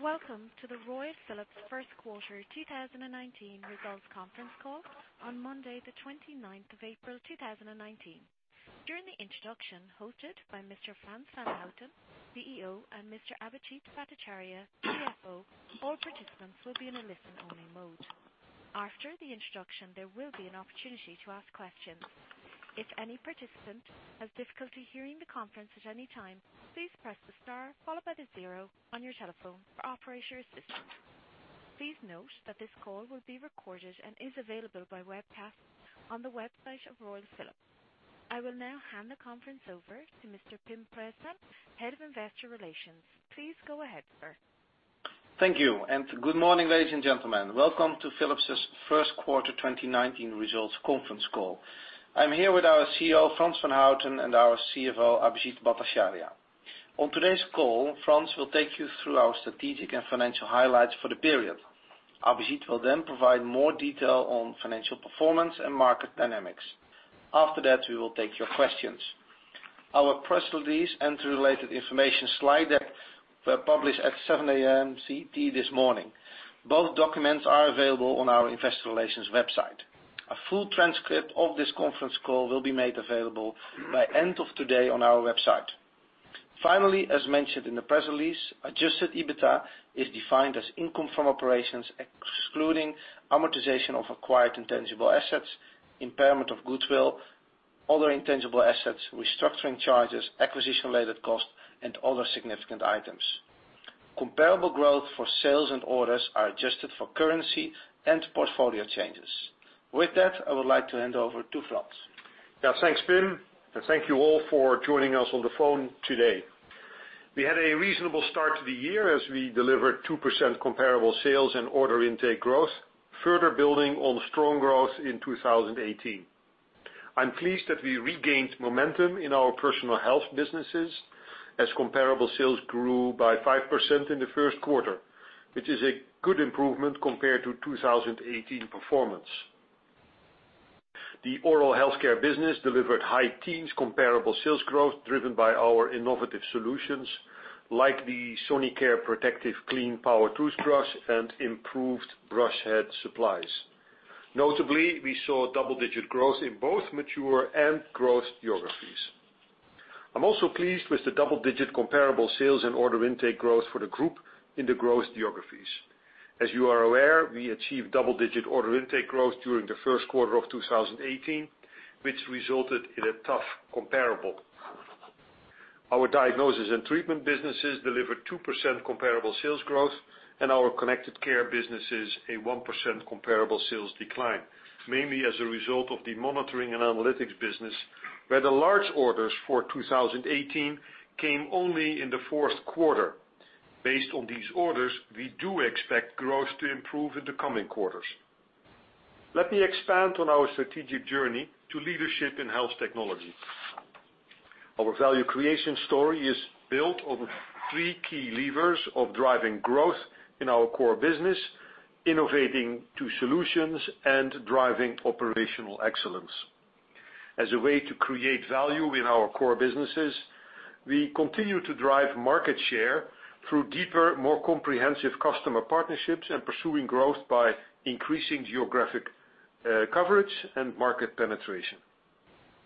Welcome to the Royal Philips First Quarter 2019 Results Conference Call on Monday, April 29, 2019. During the introduction, hosted by Mr. Frans van Houten, CEO; and Mr. Abhijit Bhattacharya, CFO. All participants will be in a listen-only mode. After the introduction, there will be an opportunity to ask questions. If any participant has difficulty hearing the conference at any time, please press the star followed by the zero on your telephone for operator assistance. Please note that this call will be recorded and is available by webcast on the website of Royal Philips. I will now hand the conference over to Mr. Pim Preesman, Head of Investor Relations. Please go ahead, sir. Thank you. Good morning, ladies and gentlemen. Welcome to Philips' first quarter 2019 results conference call. I'm here with our CEO, Frans van Houten, and our CFO, Abhijit Bhattacharya. On today's call, Frans will take you through our strategic and financial highlights for the period. Abhijit will then provide more detail on financial performance and market dynamics. After that, we will take your questions. Our press release and the related information slide deck were published at 7:00 A.M. CT this morning. Both documents are available on our investor relations website. A full transcript of this conference call will be made available by end of today on our website. Finally, as mentioned in the press release, Adjusted EBITA is defined as income from operations, excluding amortization of acquired intangible assets, impairment of goodwill, other intangible assets, restructuring charges, acquisition-related costs, and other significant items. Comparable growth for sales and orders are adjusted for currency and portfolio changes. With that, I would like to hand over to Frans. Yeah. Thanks, Pim. Thank you all for joining us on the phone today. We had a reasonable start to the year as we delivered 2% comparable sales and order intake growth, further building on strong growth in 2018. I'm pleased that we regained momentum in our personal health businesses as comparable sales grew by 5% in the first quarter, which is a good improvement compared to 2018 performance. The oral healthcare business delivered high teens comparable sales growth driven by our innovative solutions, like the Sonicare ProtectiveClean power toothbrush and improved brush head supplies. Notably, we saw double-digit growth in both mature and growth geographies. I'm also pleased with the double-digit comparable sales and order intake growth for the group in the growth geographies. As you are aware, we achieved double-digit order intake growth during the first quarter of 2018, which resulted in a tough comparable. Our Diagnosis and Treatment businesses delivered 2% comparable sales growth, our connected care businesses a 1% comparable sales decline, mainly as a result of the monitoring and analytics business, where the large orders for 2018 came only in the fourth quarter. Based on these orders, we do expect growth to improve in the coming quarters. Let me expand on our strategic journey to leadership in health technology. Our value creation story is built on three key levers of driving growth in our core business, innovating to solutions, and driving operational excellence. As a way to create value in our core businesses, we continue to drive market share through deeper, more comprehensive customer partnerships and pursuing growth by increasing geographic coverage and market penetration.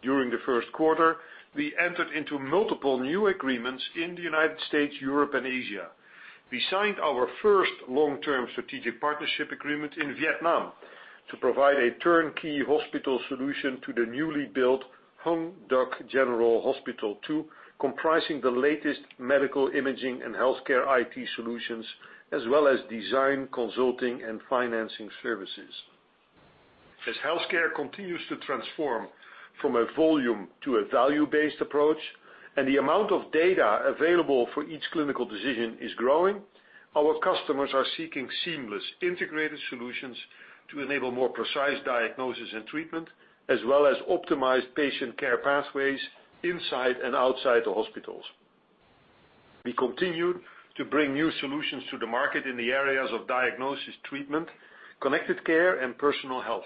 During the first quarter, we entered into multiple new agreements in the United States, Europe, and Asia. We signed our first long-term strategic partnership agreement in Vietnam to provide a turnkey hospital solution to the newly built Hong Duc General Hospital II, comprising the latest medical imaging and healthcare IT solutions, as well as design, consulting, and financing services. As healthcare continues to transform from a volume to a value-based approach, the amount of data available for each clinical decision is growing, our customers are seeking seamless, integrated solutions to enable more precise Diagnosis and Treatment, as well as optimized patient care pathways inside and outside the hospitals. We continued to bring new solutions to the market in the areas of Diagnosis, Treatment, connected care, and personal health.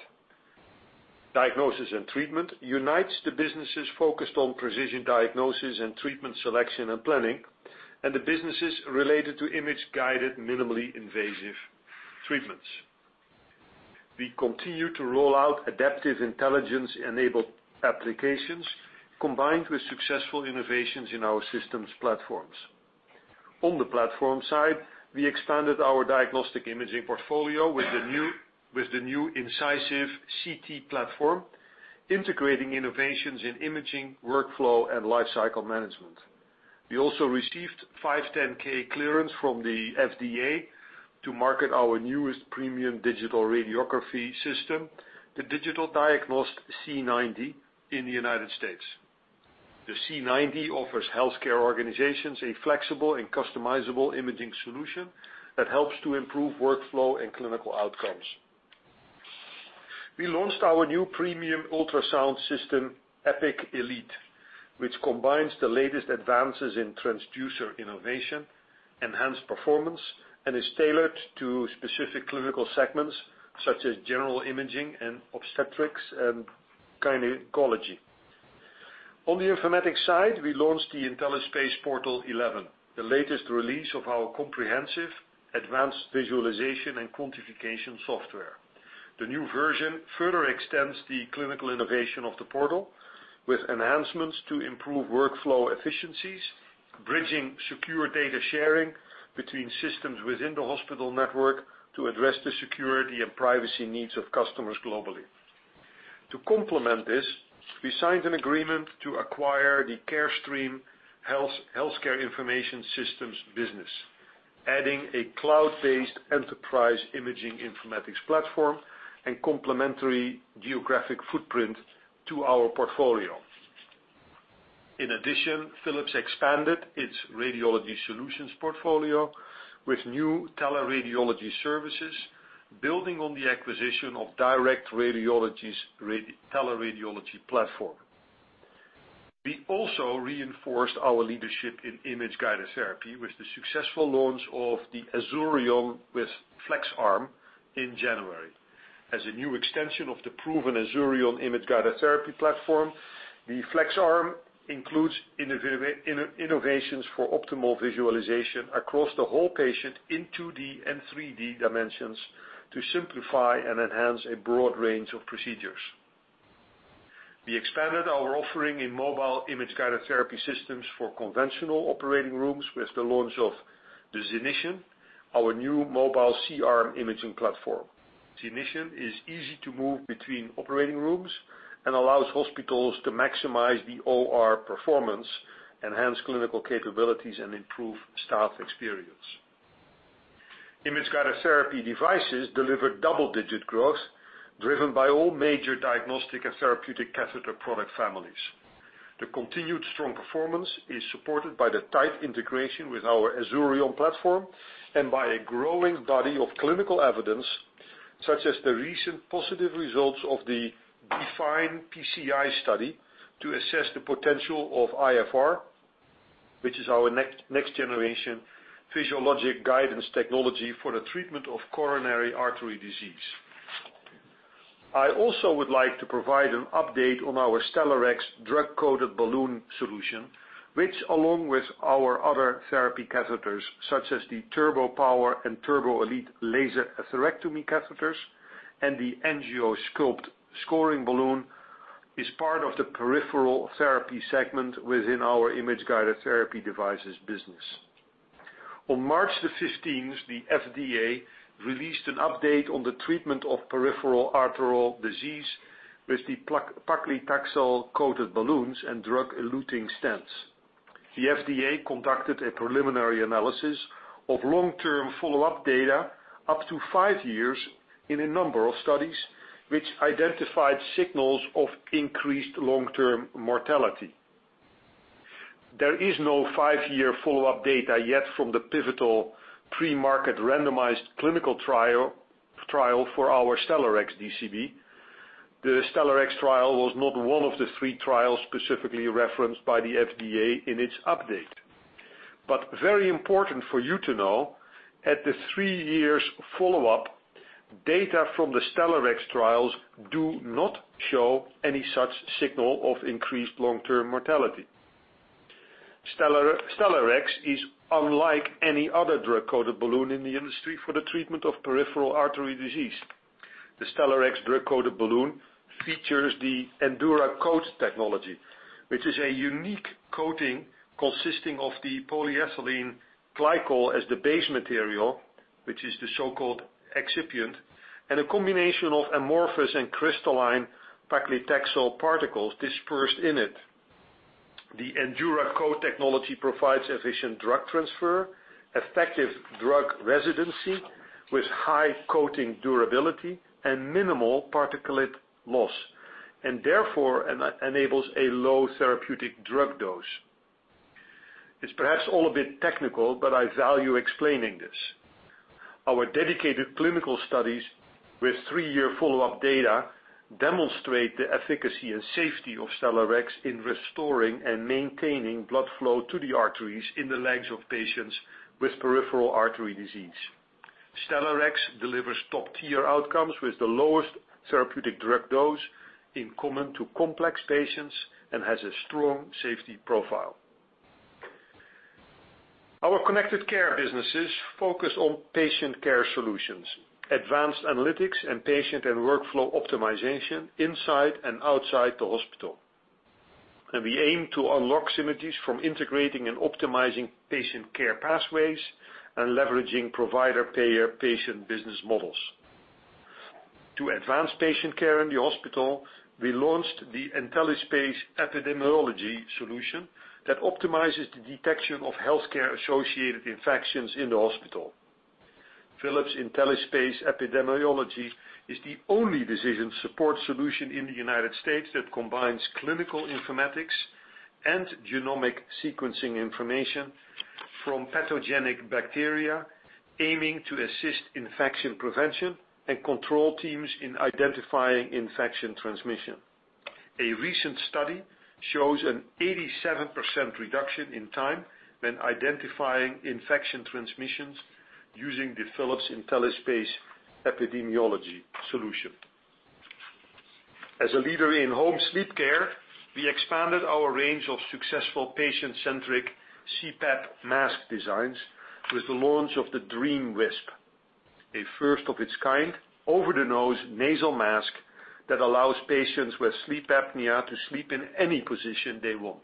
Diagnosis and Treatment unites the businesses focused on precision diagnosis and treatment selection and planning, and the businesses related to image-guided, minimally invasive treatments. We continue to roll out adaptive intelligence-enabled applications, combined with successful innovations in our systems platforms. On the platform side, we expanded our diagnostic imaging portfolio with the new Incisive CT platform, integrating innovations in imaging, workflow, and lifecycle management. We also received 510(k) clearance from the FDA to market our newest premium digital radiography system, the DigitalDiagnost C90, in the United States. The C90 offers healthcare organizations a flexible and customizable imaging solution that helps to improve workflow and clinical outcomes. We launched our new premium ultrasound system, EPIQ Elite, which combines the latest advances in transducer innovation enhanced performance and is tailored to specific clinical segments such as general imaging and obstetrics and gynecology. On the informatics side, we launched the IntelliSpace Portal 11, the latest release of our comprehensive advanced visualization and quantification software. The new version further extends the clinical innovation of the portal with enhancements to improve workflow efficiencies, bridging secure data sharing between systems within the hospital network to address the security and privacy needs of customers globally. To complement this, we signed an agreement to acquire the Carestream healthcare information systems business, adding a cloud-based enterprise imaging informatics platform and complementary geographic footprint to our portfolio. In addition, Philips expanded its radiology solutions portfolio with new teleradiology services, building on the acquisition of Direct Radiology's teleradiology platform. We also reinforced our leadership in image-guided therapy with the successful launch of the Azurion with FlexArm in January. As a new extension of the proven Azurion image-guided therapy platform, the FlexArm includes innovations for optimal visualization across the whole patient in 2D and 3D dimensions to simplify and enhance a broad range of procedures. We expanded our offering in mobile image-guided therapy systems for conventional operating rooms with the launch of the Zenition, our new mobile C-arm imaging platform. Zenition is easy to move between operating rooms and allows hospitals to maximize the OR performance, enhance clinical capabilities, and improve staff experience. Image-guided therapy devices delivered double-digit growth, driven by all major diagnostic and therapeutic catheter product families. The continued strong performance is supported by the tight integration with our Azurion platform and by a growing body of clinical evidence, such as the recent positive results of the DEFINE PCI study to assess the potential of iFR, which is our next-generation physiologic guidance technology for the treatment of coronary artery disease. I also would like to provide an update on our Stellarex drug-coated balloon solution, which along with our other therapy catheters such as the Turbo-Power and Turbo-Elite laser atherectomy catheters and the AngioSculpt scoring balloon, is part of the peripheral therapy segment within our image-guided therapy devices business. On March 15th, the FDA released an update on the treatment of peripheral arterial disease with the paclitaxel-coated balloons and drug-eluting stents. The FDA conducted a preliminary analysis of long-term follow-up data up to five years in a number of studies, which identified signals of increased long-term mortality. There is no five-year follow-up data yet from the pivotal pre-market randomized clinical trial for our Stellarex DCB. The Stellarex trial was not one of the three trials specifically referenced by the FDA in its update. Very important for you to know, at the three years follow-up, data from the Stellarex trials do not show any such signal of increased long-term mortality. Stellarex is unlike any other drug-coated balloon in the industry for the treatment of peripheral artery disease. The Stellarex drug-coated balloon features the EnduraCoat technology, which is a unique coating consisting of the polyethylene glycol as the base material, which is the so-called excipient, and a combination of amorphous and crystalline paclitaxel particles dispersed in it. The EnduraCoat technology provides efficient drug transfer, effective drug residency with high coating durability and minimal particulate loss, and therefore enables a low therapeutic drug dose. It's perhaps all a bit technical, but I value explaining this. Our dedicated clinical studies with three-year follow-up data demonstrate the efficacy and safety of Stellarex in restoring and maintaining blood flow to the arteries in the legs of patients with peripheral artery disease. Stellarex delivers top-tier outcomes with the lowest therapeutic drug dose in common to complex patients and has a strong safety profile. Our connected care businesses focus on patient care solutions, advanced analytics, and patient and workflow optimization inside and outside the hospital. We aim to unlock synergies from integrating and optimizing patient care pathways and leveraging provider, payer, patient business models. To advance patient care in the hospital, we launched the IntelliSpace Epidemiology solution that optimizes the detection of healthcare-associated infections in the hospital. Philips IntelliSpace Epidemiology is the only decision support solution in the United States that combines clinical informatics and genomic sequencing information from pathogenic bacteria, aiming to assist infection prevention and control teams in identifying infection transmission. A recent study shows an 87% reduction in time when identifying infection transmissions using the Philips IntelliSpace Epidemiology solution. As a leader in home sleep care, we expanded our range of successful patient-centric CPAP mask designs with the launch of the DreamWisp, a first of its kind over the nose nasal mask that allows patients with sleep apnea to sleep in any position they want.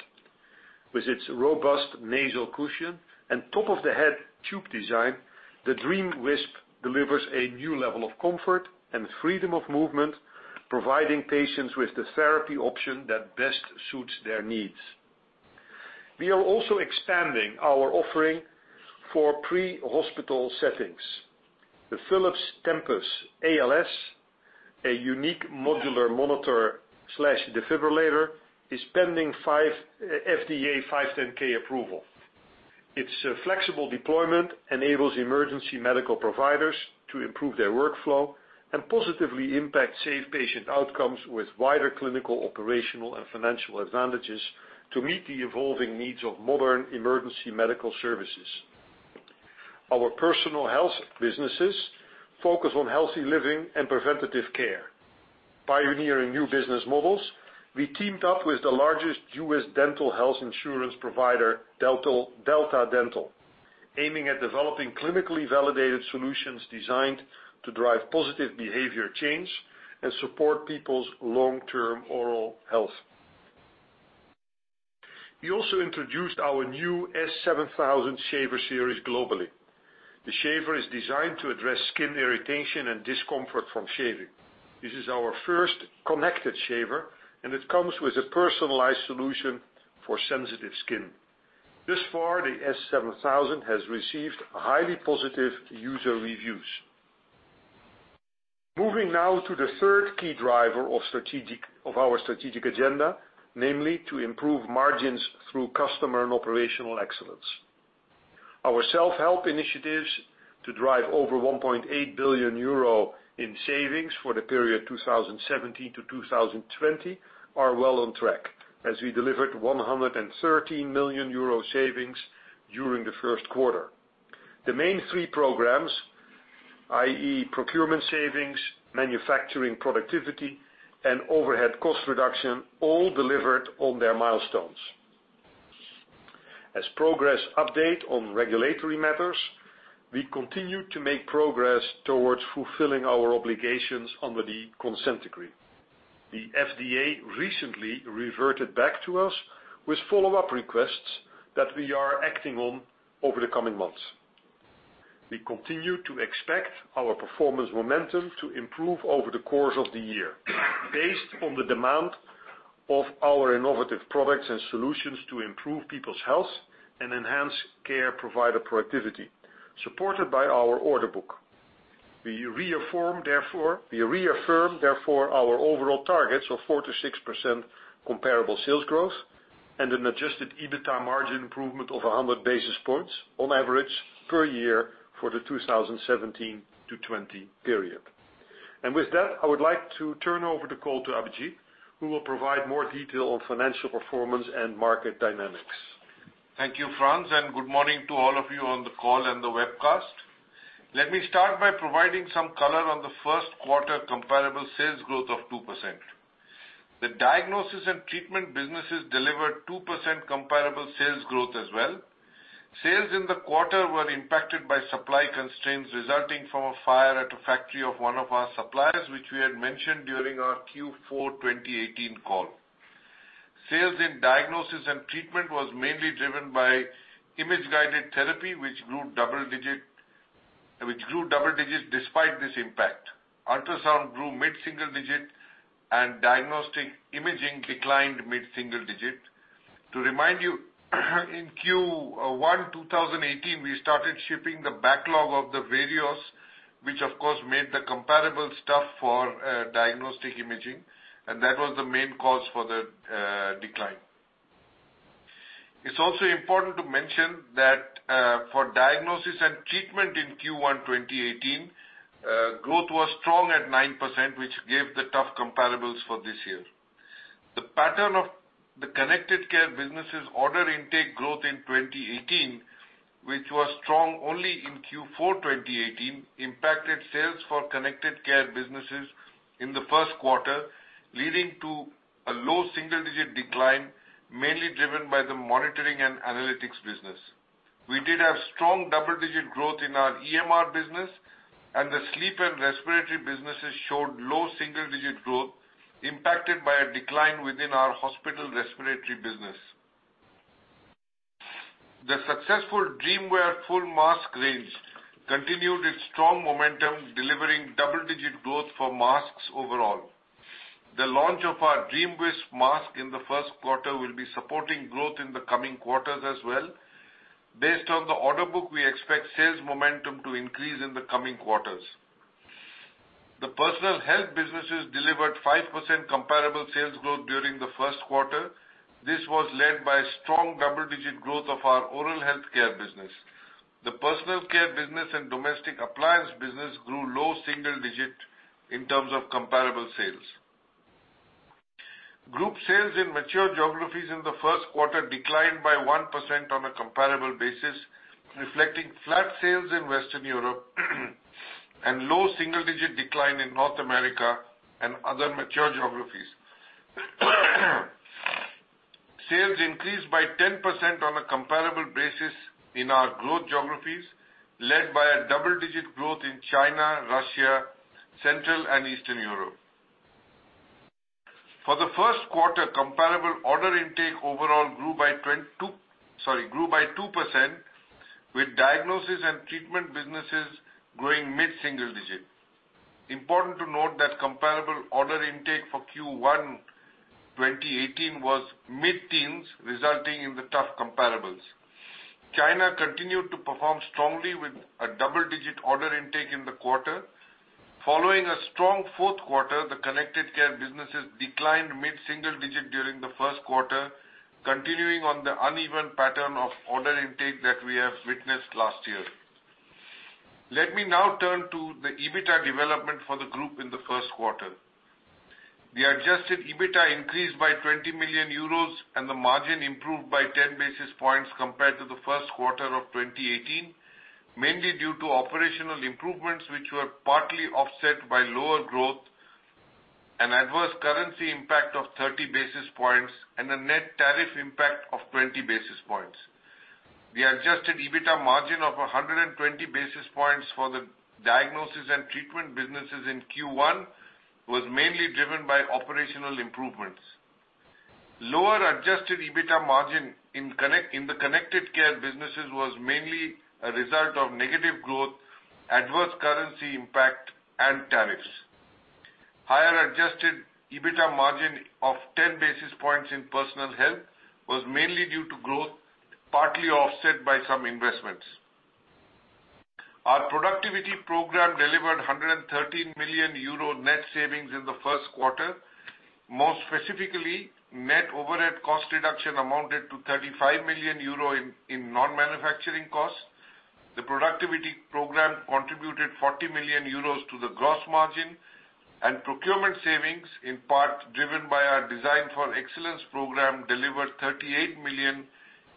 With its robust nasal cushion and top of the head tube design, the DreamWisp delivers a new level of comfort and freedom of movement, providing patients with the therapy option that best suits their needs. We are also expanding our offering for pre-hospital settings. The Philips Tempus ALS, a unique modular monitor/defibrillator, is pending FDA 510 approval. Its flexible deployment enables emergency medical providers to improve their workflow and positively impact safe patient outcomes with wider clinical, operational, and financial advantages to meet the evolving needs of modern emergency medical services. Our personal health businesses focus on healthy living and preventative care. Pioneering new business models, we teamed up with the largest U.S. dental health insurance provider, Delta Dental, aiming at developing clinically validated solutions designed to drive positive behavior change and support people's long-term oral health. We also introduced our new S7000 shaver series globally. The shaver is designed to address skin irritation and discomfort from shaving. This is our first connected shaver, and it comes with a personalized solution for sensitive skin. Thus far, the S7000 has received highly positive user reviews. Moving now to the third key driver of our strategic agenda, namely to improve margins through customer and operational excellence. Our self-help initiatives to drive over 1.8 billion euro in savings for the period 2017-2020 are well on track, as we delivered 113 million euro savings during the first quarter. The main three programs, i.e. procurement savings, manufacturing productivity, and overhead cost reduction, all delivered on their milestones. As progress update on regulatory matters, we continue to make progress towards fulfilling our obligations under the consent decree. The FDA recently reverted back to us with follow-up requests that we are acting on over the coming months. We continue to expect our performance momentum to improve over the course of the year based on the demand of our innovative products and solutions to improve people's health and enhance care provider productivity, supported by our order book. We reaffirm, therefore, our overall targets of 4%-6% comparable sales growth and an adjusted EBITDA margin improvement of 100 basis points on average per year for the 2017-2020 period. With that, I would like to turn over the call to Abhijit, who will provide more detail on financial performance and market dynamics. Thank you, Frans, and good morning to all of you on the call and the webcast. Let me start by providing some color on the first quarter comparable sales growth of 2%. The Diagnosis and Treatment businesses delivered 2% comparable sales growth as well. Sales in the quarter were impacted by supply constraints resulting from a fire at a factory of one of our suppliers, which we had mentioned during our Q4 2018 call. Sales in Diagnosis and Treatment was mainly driven by image-guided therapy, which grew double digits despite this impact. Ultrasound grew mid-single digit and Diagnostic Imaging declined mid-single digit. To remind you, in Q1 2018, we started shipping the backlog of the various, which, of course, made the comparable stuff for Diagnostic Imaging, and that was the main cause for the decline. It's also important to mention that for Diagnosis and Treatment in Q1 2018, growth was strong at 9%, which gave the tough comparables for this year. The pattern of the Connected Care business' order intake growth in 2018, which was strong only in Q4 2018, impacted sales for Connected Care businesses in the first quarter, leading to a low single-digit decline, mainly driven by the monitoring and analytics business. We did have strong double-digit growth in our EMR business, and the Sleep and Respiratory businesses showed low single-digit growth impacted by a decline within our hospital respiratory business. The successful DreamWear full mask range continued its strong momentum, delivering double-digit growth for masks overall. The launch of our DreamWisp mask in the first quarter will be supporting growth in the coming quarters as well. Based on the order book, we expect sales momentum to increase in the coming quarters. The Personal Health businesses delivered 5% comparable sales growth during the first quarter. This was led by strong double-digit growth of our Oral Health Care business. The Personal Care business and Domestic Appliance business grew low single digit in terms of comparable sales. Group sales in mature geographies in the first quarter declined by 1% on a comparable basis, reflecting flat sales in Western Europe and low single-digit decline in North America and other mature geographies. Sales increased by 10% on a comparable basis in our growth geographies, led by a double-digit growth in China, Russia, Central and Eastern Europe. For the first quarter, comparable order intake overall grew by 2% with Diagnosis and Treatment businesses growing mid-single digit. Important to note that comparable order intake for Q1 2018 was mid-teens, resulting in the tough comparables. China continued to perform strongly with a double-digit order intake in the quarter. Following a strong fourth quarter, the Connected Care businesses declined mid-single digit during the first quarter, continuing on the uneven pattern of order intake that we have witnessed last year. Let me now turn to the EBITDA development for the group in the first quarter. The Adjusted EBITDA increased by 20 million euros and the margin improved by 10 basis points compared to the first quarter of 2018, mainly due to operational improvements which were partly offset by lower growth and adverse currency impact of 30 basis points and a net tariff impact of 20 basis points. The Adjusted EBITDA margin of 120 basis points for the Diagnosis and Treatment businesses in Q1 was mainly driven by operational improvements. Lower Adjusted EBITDA margin in the Connected Care businesses was mainly a result of negative growth, adverse currency impact, and tariffs. Higher Adjusted EBITDA margin of 10 basis points in personal health was mainly due to growth, partly offset by some investments. Our productivity program delivered 113 million euro net savings in the first quarter. More specifically, net overhead cost reduction amounted to 35 million euro in non-manufacturing costs. The productivity program contributed 40 million euros to the gross margin, and procurement savings, in part driven by our Design for Excellence program, delivered 38 million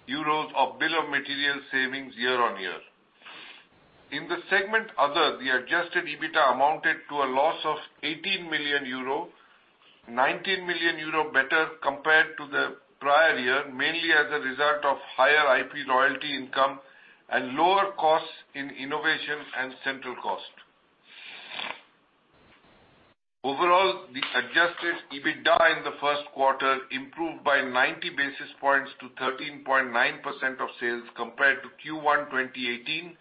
euros of bill of material savings year-on-year. In the segment Other, the Adjusted EBITDA amounted to a loss of 18 million euro, 19 million euro better compared to the prior year, mainly as a result of higher IP royalty income and lower costs in innovation and central cost. Overall, the Adjusted EBITDA in the first quarter improved by 90 basis points to 13.9% of sales compared to Q1 2018,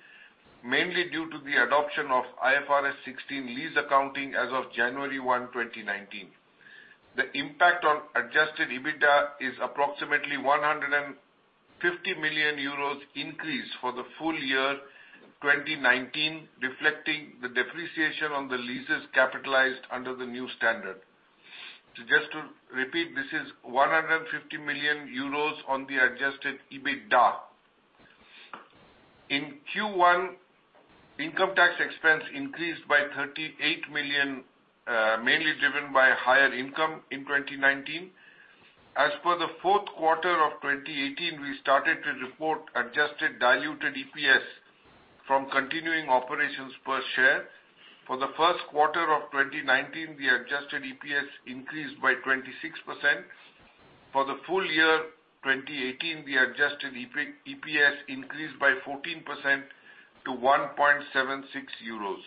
mainly due to the adoption of IFRS 16 lease accounting as of January 1, 2019. The impact on Adjusted EBITDA is approximately 150 million euros increase for the full year 2019, reflecting the depreciation on the leases capitalized under the new standard. Just to repeat, this is 150 million euros on the Adjusted EBITDA. In Q1, income tax expense increased by 38 million, mainly driven by higher income in 2019. As for the fourth quarter of 2018, we started to report Adjusted diluted EPS from continuing operations per share. For the first quarter of 2019, the Adjusted EPS increased by 26%. For the full year 2018, the Adjusted EPS increased by 14% to 1.76 euros.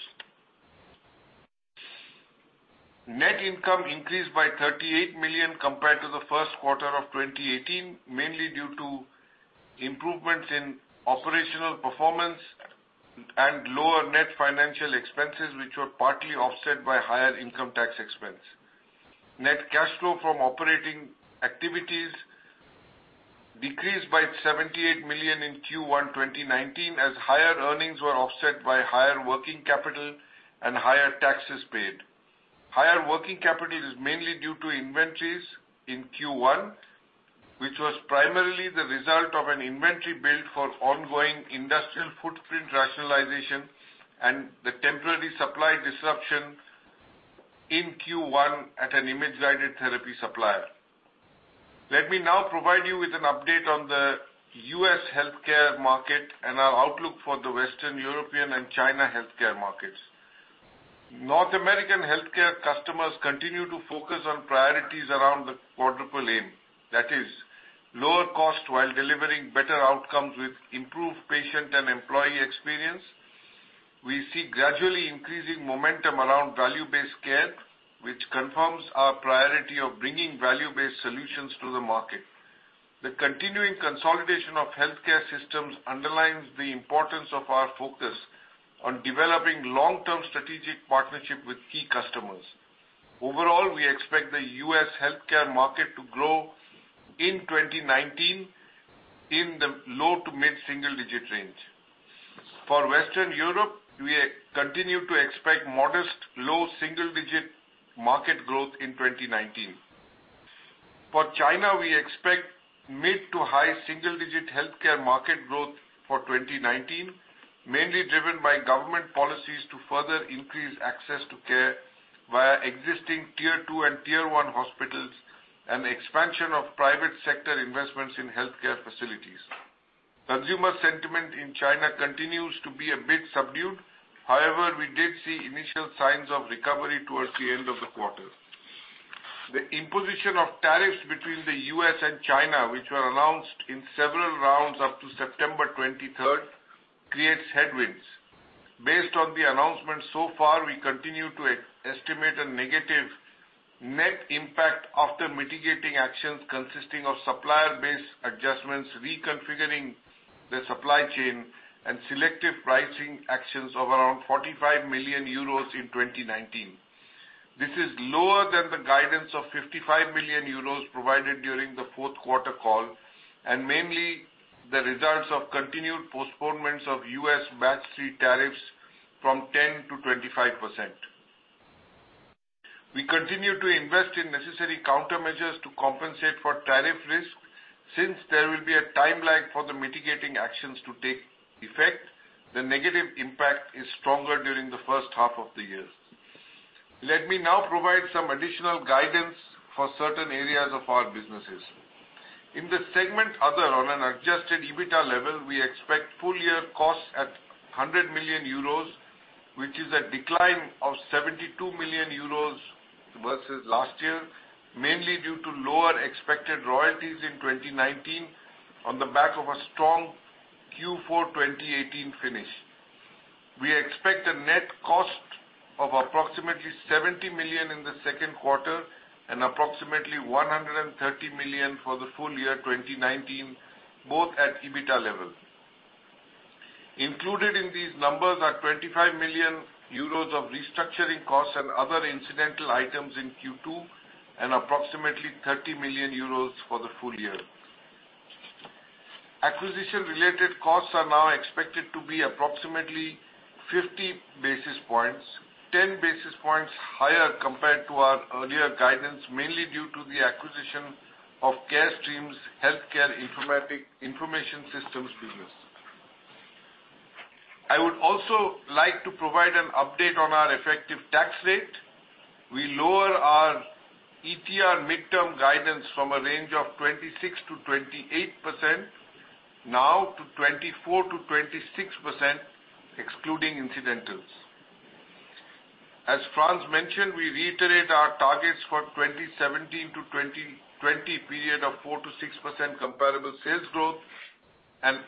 Net income increased by 38 million compared to the first quarter of 2018, mainly due to improvements in operational performance and lower net financial expenses, which were partly offset by higher income tax expense. Net cash flow from operating activities decreased by 78 million in Q1 2019, as higher earnings were offset by higher working capital and higher taxes paid. Higher working capital is mainly due to inventories in Q1, which was primarily the result of an inventory build for ongoing industrial footprint rationalization and the temporary supply disruption in Q1 at an image-guided therapy supplier. Let me now provide you with an update on the U.S. healthcare market and our outlook for the Western European and China healthcare markets. North American healthcare customers continue to focus on priorities around the quadruple aim. That is, lower cost while delivering better outcomes with improved patient and employee experience. We see gradually increasing momentum around value-based care, which confirms our priority of bringing value-based solutions to the market. The continuing consolidation of healthcare systems underlines the importance of our focus on developing long-term strategic partnership with key customers. Overall, we expect the U.S. healthcare market to grow in 2019 in the low to mid-single digit range. For Western Europe, we continue to expect modest low single-digit market growth in 2019. For China, we expect mid to high single-digit healthcare market growth for 2019, mainly driven by government policies to further increase access to care via existing tier 2 and tier 1 hospitals and the expansion of private sector investments in healthcare facilities. Consumer sentiment in China continues to be a bit subdued. However, we did see initial signs of recovery towards the end of the quarter. The imposition of tariffs between the U.S. and China, which were announced in several rounds up to September 23rd, creates headwinds. Based on the announcements so far, we continue to estimate a negative net impact after mitigating actions consisting of supplier-based adjustments, reconfiguring the supply chain, and selective pricing actions of around 45 million euros in 2019. This is lower than the guidance of 55 million euros provided during the fourth quarter call, and mainly the results of continued postponements of U.S. Tranche III tariffs from 10%-25%. We continue to invest in necessary countermeasures to compensate for tariff risk. Since there will be a time lag for the mitigating actions to take effect, the negative impact is stronger during the first half of the year. Let me now provide some additional guidance for certain areas of our businesses. In the segment other, on an Adjusted EBITA level, we expect full-year costs at 100 million euros, which is a decline of 72 million euros versus last year, mainly due to lower expected royalties in 2019 on the back of a strong Q4 2018 finish. We expect a net cost of approximately 70 million in the second quarter and approximately 130 million for the full year 2019, both at EBITA level. Included in these numbers are 25 million euros of restructuring costs and other incidental items in Q2 and approximately 30 million euros for the full year. Acquisition-related costs are now expected to be approximately 50 basis points, 10 basis points higher compared to our earlier guidance, mainly due to the acquisition of Carestream's healthcare information systems business. I would also like to provide an update on our effective tax rate. We lower our ETR midterm guidance from a range of 26%-28%, now to 24%-26%, excluding incidentals. As Frans mentioned, we reiterate our targets for 2017-2020 period of 4%-6% comparable sales growth and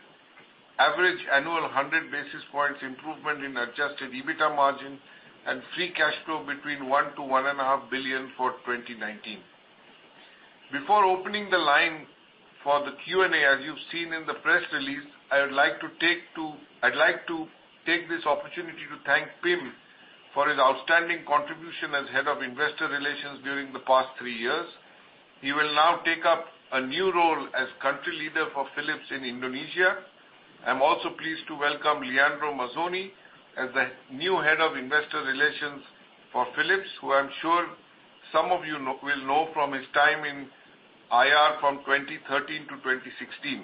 average annual 100 basis points improvement in Adjusted EBITA margin and free cash flow between 1 billion-1.5 billion for 2019. Before opening the line for the Q&A, as you've seen in the press release, I'd like to take this opportunity to thank Pim for his outstanding contribution as head of investor relations during the past three years. He will now take up a new role as country leader for Philips in Indonesia. I'm also pleased to welcome Leandro Mazzoni as the new Head of Investor Relations for Philips, who I'm sure some of you will know from his time in IR from 2013-2016.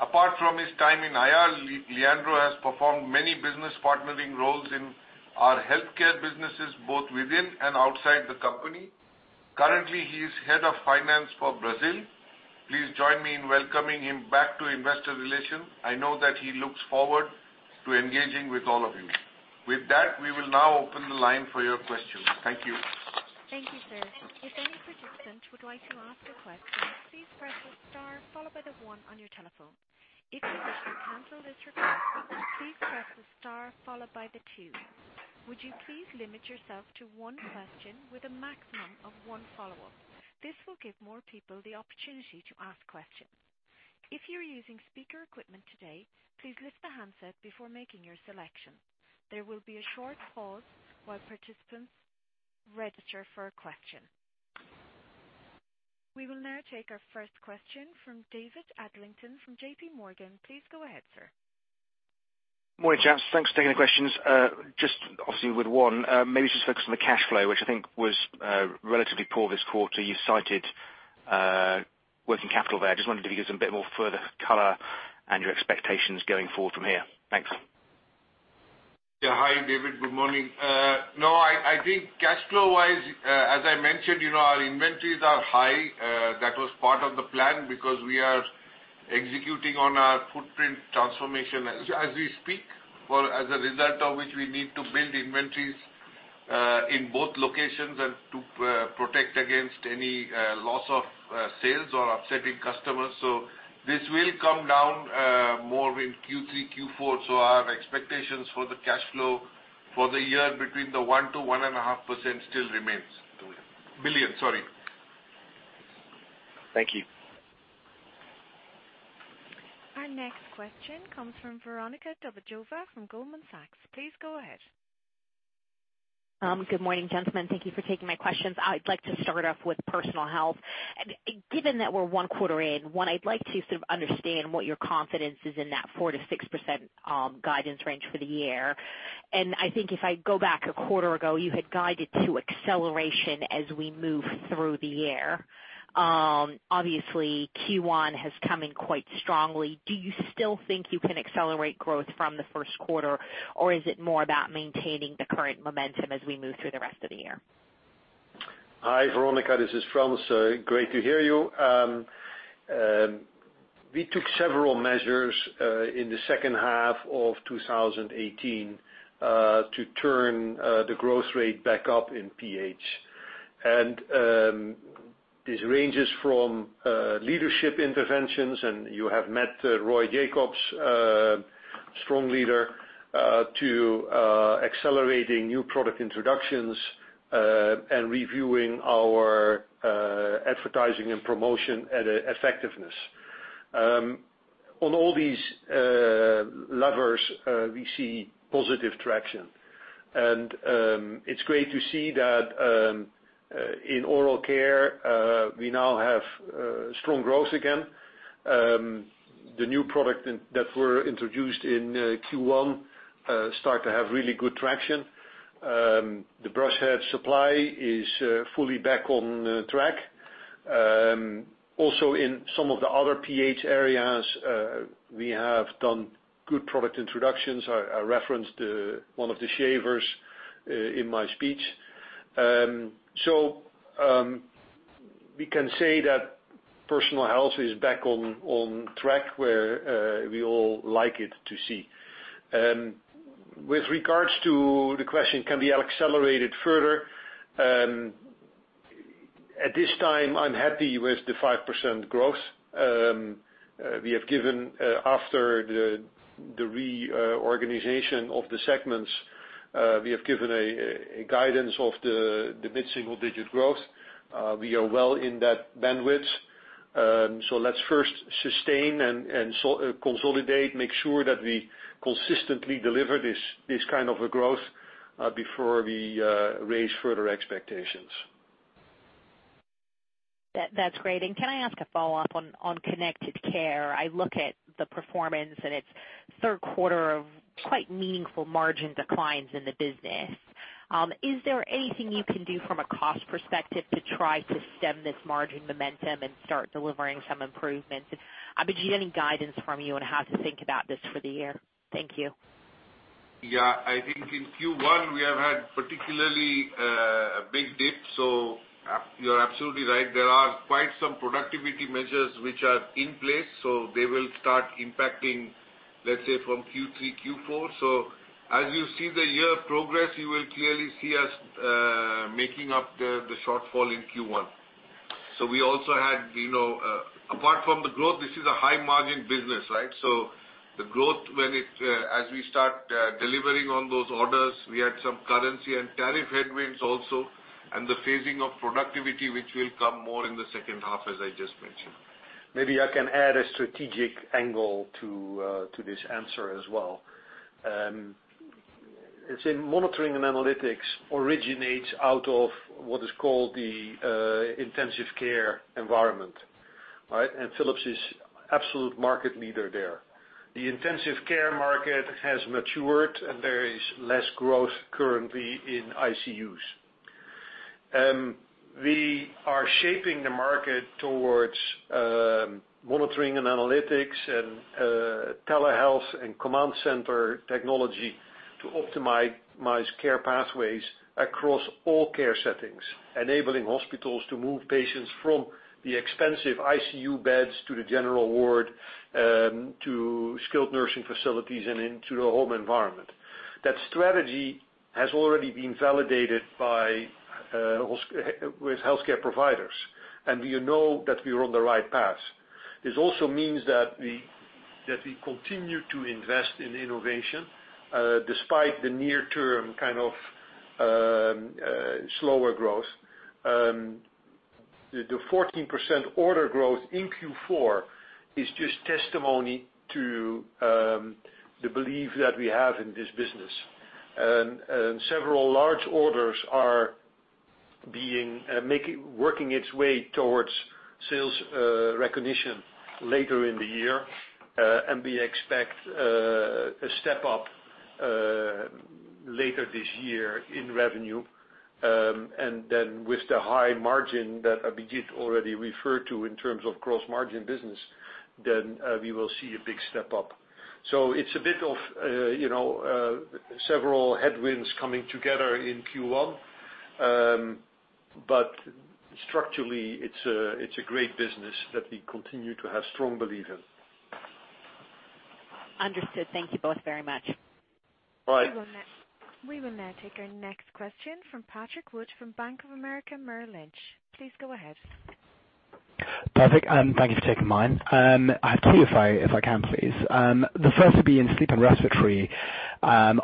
Apart from his time in IR, Leandro has performed many business partnering roles in our healthcare businesses, both within and outside the company. Currently, he is Head of Finance for Brazil. Please join me in welcoming him back to investor relations. I know that he looks forward to engaging with all of you. With that, we will now open the line for your questions. Thank you. Thank you, sir. If any participant would like to ask a question, please press the star followed by the one on your telephone. If you wish to cancel this request, please press the star followed by the two. Would you please limit yourself to one question with a maximum of one follow-up? This will give more people the opportunity to ask questions. If you're using speaker equipment today, please lift the handset before making your selection. There will be a short pause while participants register for a question. We will now take our first question from David Adlington from JPMorgan. Please go ahead, sir. Morning, gents. Thanks for taking the questions. Obviously with one, maybe just focus on the cash flow, which I think was relatively poor this quarter. You cited working capital there. I just wondered if you could give us a bit more further color and your expectations going forward from here. Thanks. Yeah. Hi, David. Good morning. No, I think cash flow wise, as I mentioned, our inventories are high. That was part of the plan because we are executing on our footprint transformation as we speak, as a result of which we need to build inventories, in both locations and to protect against any loss of sales or upsetting customers. This will come down more in Q3, Q4. Our expectations for the cash flow for the year between the 1%-1.5% still remains. Thank you. Our next question comes from Veronika Dubajova from Goldman Sachs. Please go ahead. Good morning, gentlemen. Thank you for taking my questions. I'd like to start off with Personal Health. Given that we're one quarter in, I'd like to sort of understand what your confidence is in that 4%-6% guidance range for the year. I think if I go back a quarter ago, you had guided to acceleration as we move through the year. Obviously, Q1 has come in quite strongly. Do you still think you can accelerate growth from the first quarter, or is it more about maintaining the current momentum as we move through the rest of the year? Hi, Veronika. This is Frans. Great to hear you. We took several measures in the second half of 2018 to turn the growth rate back up in PH. This ranges from leadership interventions, and you have met Roy Jakobs, a strong leader, to accelerating new product introductions, and reviewing our advertising and promotion effectiveness. On all these levers, we see positive traction. It's great to see that in oral care, we now have strong growth again. The new product that were introduced in Q1 start to have really good traction. The brush head supply is fully back on track. In some of the other PH areas, we have done good product introductions. I referenced one of the shavers in my speech. We can say that Personal Health is back on track where we all like it to see. With regards to the question, can we accelerate it further? At this time, I'm happy with the 5% growth. After the reorganization of the segments, we have given a guidance of the mid-single-digit growth. We are well in that bandwidth. Let's first sustain and consolidate, make sure that we consistently deliver this kind of a growth, before we raise further expectations. Can I ask a follow-up on Connected Care? I look at the performance, and its third quarter of quite meaningful margin declines in the business. Is there anything you can do from a cost perspective to try to stem this margin momentum and start delivering some improvements? Abhijit, any guidance from you on how to think about this for the year? Thank you. Yeah. I think in Q1, we have had particularly a big dip. You're absolutely right. There are quite some productivity measures which are in place, they will start impacting, let's say, from Q3, Q4. As you see the year progress, you will clearly see us making up the shortfall in Q1. Apart from the growth, this is a high margin business, right? The growth, as we start delivering on those orders, we had some currency and tariff headwinds also, and the phasing of productivity, which will come more in the second half, as I just mentioned. Maybe I can add a strategic angle to this answer as well. Monitoring and analytics originates out of what is called the intensive care environment. Right? Philips is absolute market leader there. The intensive care market has matured, and there is less growth currently in ICUs. We are shaping the market towards monitoring and analytics and telehealth and command center technology to optimize care pathways across all care settings, enabling hospitals to move patients from the expensive ICU beds to the general ward, to skilled nursing facilities, and into the home environment. That strategy has already been validated with healthcare providers, and we know that we are on the right path. This also means that we continue to invest in innovation, despite the near term kind of slower growth. The 14% order growth in Q4 is just testimony to the belief that we have in this business. Several large orders are working its way towards sales recognition later in the year. We expect a step up later this year in revenue. With the high margin that Abhijit already referred to in terms of gross margin business, then we will see a big step up. It's a bit of several headwinds coming together in Q1. Structurally, it's a great business that we continue to have strong belief in. Understood. Thank you both very much. Bye. We will now take our next question from Patrick Wood from Bank of America Merrill Lynch. Please go ahead. Patrick, thank you for taking mine. I have two, if I can, please. The first will be in Sleep & Respiratory Care.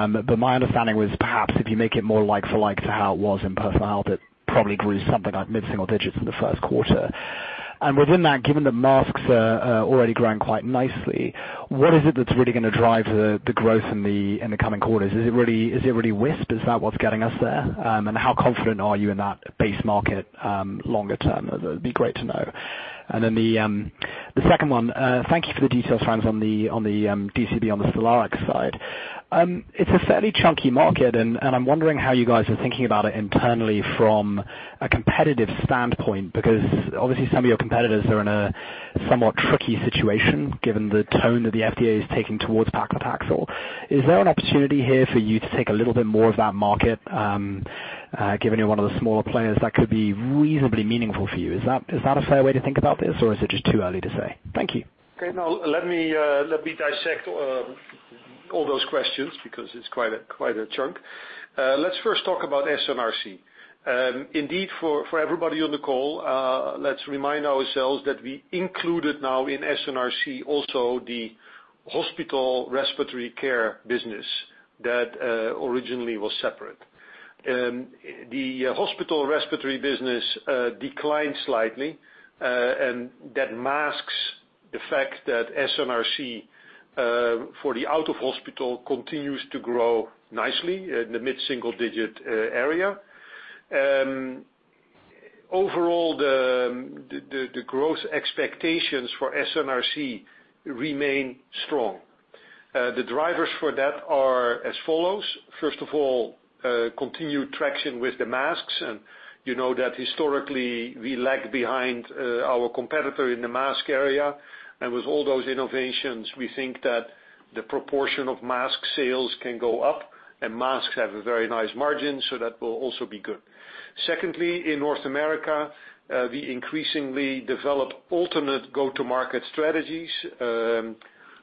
My understanding was perhaps if you make it more like for like to how it was in personal health, it probably grew something like mid-single digits in the first quarter. Within that, given that masks are already growing quite nicely, what is it that's really going to drive the growth in the coming quarters? Is it really WISP? Is that what's getting us there? How confident are you in that base market longer term? That'd be great to know. Then the second one, thank you for the details, Frans, on the DCB on the Stellarex side. It's a fairly chunky market, and I'm wondering how you guys are thinking about it internally from a competitive standpoint, because obviously some of your competitors are in a somewhat tricky situation, given the tone that the FDA is taking towards paclitaxel. Is there an opportunity here for you to take a little bit more of that market, given you're one of the smaller players that could be reasonably meaningful for you? Is that a fair way to think about this, or is it just too early to say? Thank you. Let me dissect all those questions, because it's quite a chunk. Let's first talk about S&RC. For everybody on the call, let's remind ourselves that we included now in S&RC also the hospital respiratory care business that originally was separate. The hospital respiratory business declined slightly. That masks the fact that S&RC for the out-of-hospital continues to grow nicely in the mid-single digit area. Overall, the growth expectations for S&RC remain strong. The drivers for that are as follows. First of all, continued traction with the masks. You know that historically, we lag behind our competitor in the mask area. With all those innovations, we think that the proportion of mask sales can go up. Masks have a very nice margin. That will also be good. Secondly, in North America, we increasingly develop alternate go-to-market strategies,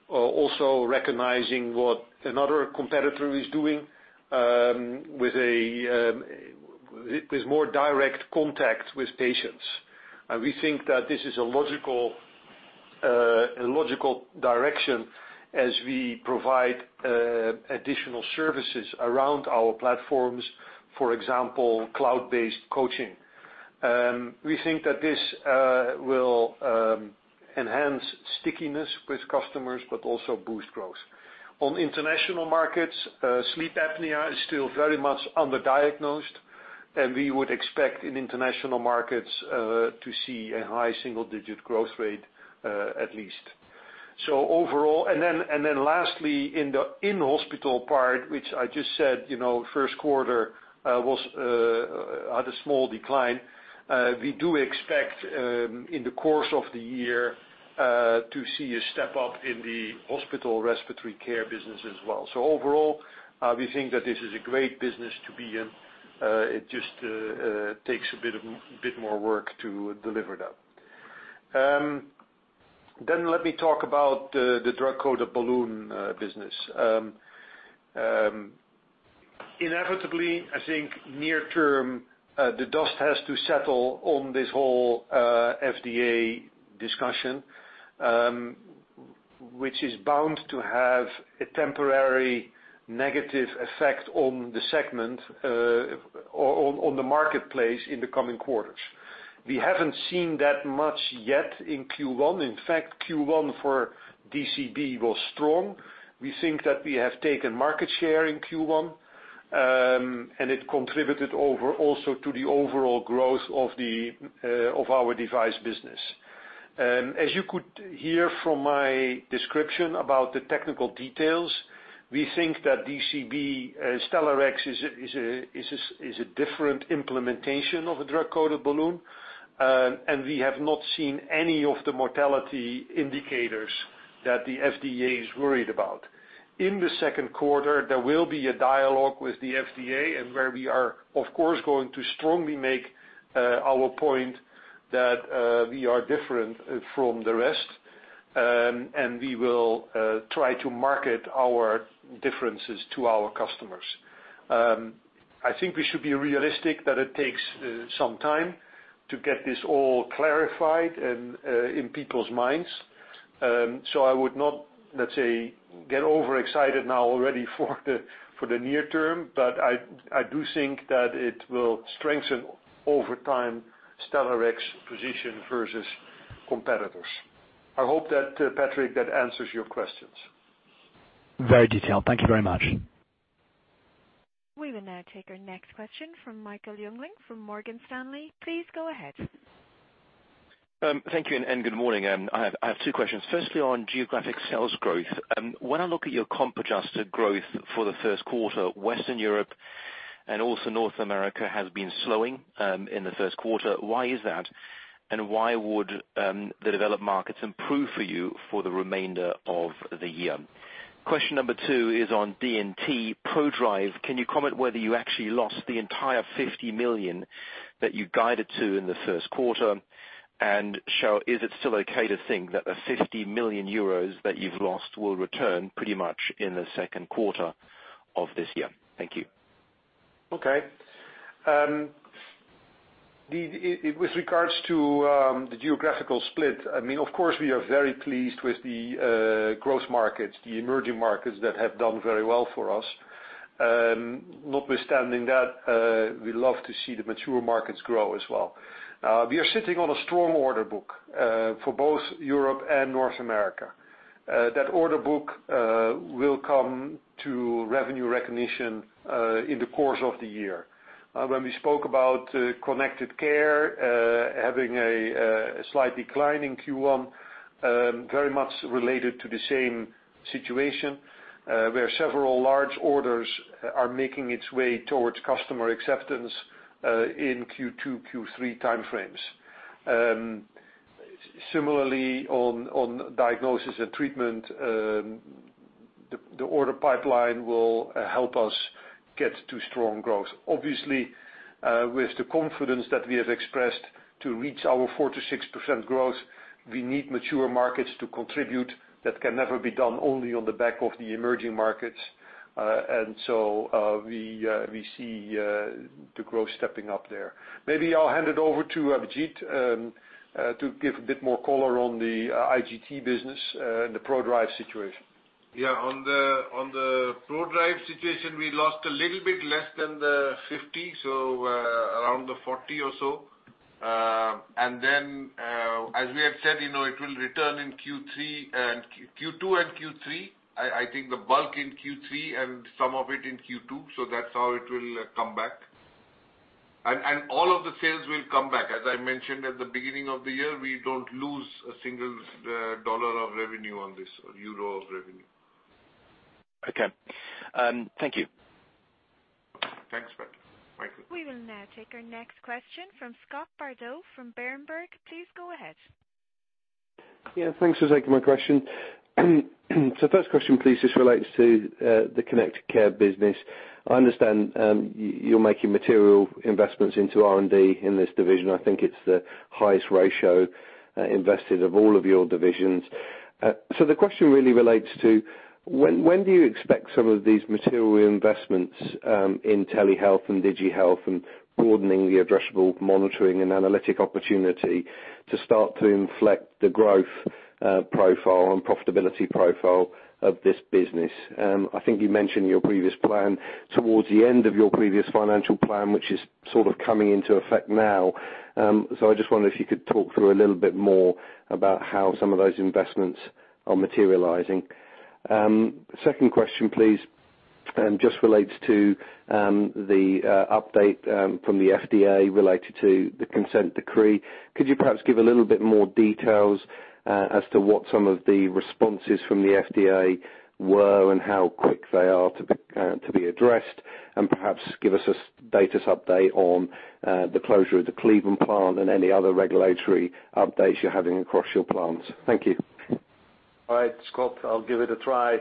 also recognizing what another competitor is doing with more direct contact with patients. We think that this is a logical direction as we provide additional services around our platforms, for example, cloud-based coaching. We think that this will enhance stickiness with customers. Also boost growth. On international markets, sleep apnea is still very much underdiagnosed. We would expect in international markets to see a high single-digit growth rate at least. Lastly, in the in-hospital part, which I just said first quarter had a small decline, we do expect in the course of the year to see a step-up in the hospital respiratory care business as well. Overall, we think that this is a great business to be in. It just takes a bit more work to deliver now. Let me talk about the drug-coated balloon business. Inevitably, I think near term, the dust has to settle on this whole FDA discussion, which is bound to have a temporary negative effect on the segment, on the marketplace in the coming quarters. We haven't seen that much yet in Q1. In fact, Q1 for DCB was strong. We think that we have taken market share in Q1. It contributed over also to the overall growth of our device business. As you could hear from my description about the technical details, we think that DCB Stellarex is a different implementation of a drug-coated balloon. We have not seen any of the mortality indicators that the FDA is worried about. In the second quarter, there will be a dialogue with the FDA. Where we are, of course, going to strongly make our point that we are different from the rest. We will try to market our differences to our customers. I think we should be realistic that it takes some time to get this all clarified in people's minds. I would not, let's say, get overexcited now already for the near term. I do think that it will strengthen over time Stellarex position versus competitors. I hope that, Patrick, that answers your questions. Very detailed. Thank you very much. We will now take our next question from Michael Jüngling from Morgan Stanley. Please go ahead. Thank you. Good morning. I have two questions. Firstly, on geographic sales growth. When I look at your comp adjusted growth for the first quarter, Western Europe and also North America has been slowing in the first quarter. Why is that? Why would the developed markets improve for you for the remainder of the year? Question number two is on D&T Prodrive. Can you comment whether you actually lost the entire 50 million that you guided to in the first quarter? Is it still okay to think that the 50 million euros that you've lost will return pretty much in the second quarter of this year? Thank you. Okay. With regards to the geographical split, of course, we are very pleased with the growth markets, the emerging markets that have done very well for us. Notwithstanding that, we love to see the mature markets grow as well. We are sitting on a strong order book for both Europe and North America. That order book will come to revenue recognition in the course of the year. When we spoke about connected care having a slight decline in Q1, very much related to the same situation, where several large orders are making its way towards customer acceptance in Q2, Q3 time frames. Similarly, on Diagnosis and Treatment, the order pipeline will help us get to strong growth. Obviously, with the confidence that we have expressed to reach our 4%-6% growth, we need mature markets to contribute. That can never be done only on the back of the emerging markets. We see the growth stepping up there. Maybe I'll hand it over to Abhijit to give a bit more color on the IGT business and the Prodrive situation. On the Prodrive situation, we lost a little bit less than the 50 million, so around the 40 million or so. As we have said, it will return in Q2 and Q3. I think the bulk in Q3 and some of it in Q2. That's how it will come back. All of the sales will come back. As I mentioned at the beginning of the year, we don't lose a single dollar of revenue on this, or euro of revenue. Thank you. Thanks, Michael. We will now take our next question from Scott Bardo from Berenberg. Please go ahead. Yeah, thanks for taking my question. First question, please, this relates to the connected care business. I understand you're making material investments into R&D in this division. I think it's the highest ratio invested of all of your divisions. The question really relates to when do you expect some of these material investments in telehealth and digi-health and broadening the addressable monitoring and analytic opportunity to start to inflect the growth profile and profitability profile of this business? I think you mentioned your previous plan towards the end of your previous financial plan, which is sort of coming into effect now. I just wonder if you could talk through a little bit more about how some of those investments are materializing. Second question, please, just relates to the update from the FDA related to the consent decree. Could you perhaps give a little bit more details as to what some of the responses from the FDA were and how quick they are to be addressed, and perhaps give us a status update on the closure of the Cleveland plant and any other regulatory updates you're having across your plants? Thank you. All right, Scott, I'll give it a try.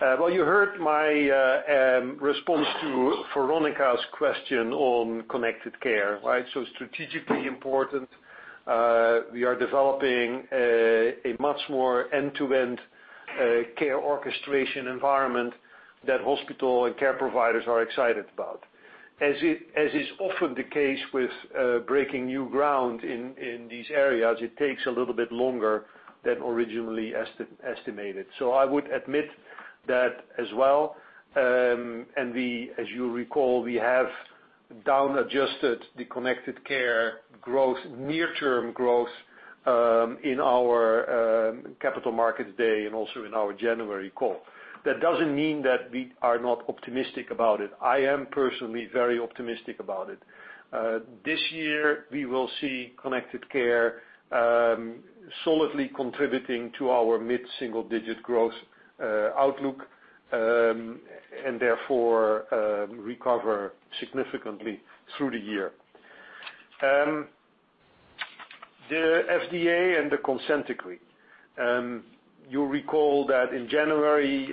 Well, you heard my response to Veronika's question on connected care. Strategically important, we are developing a much more end-to-end care orchestration environment that hospital and care providers are excited about. As is often the case with breaking new ground in these areas, it takes a little bit longer than originally estimated. I would admit that as well, and as you recall, we have down-adjusted the connected care near-term growth in our capital markets day and also in our January call. That doesn't mean that we are not optimistic about it. I am personally very optimistic about it. This year, we will see connected care solidly contributing to our mid-single-digit growth outlook, and therefore, recover significantly through the year. The FDA and the consent decree. You'll recall that in January,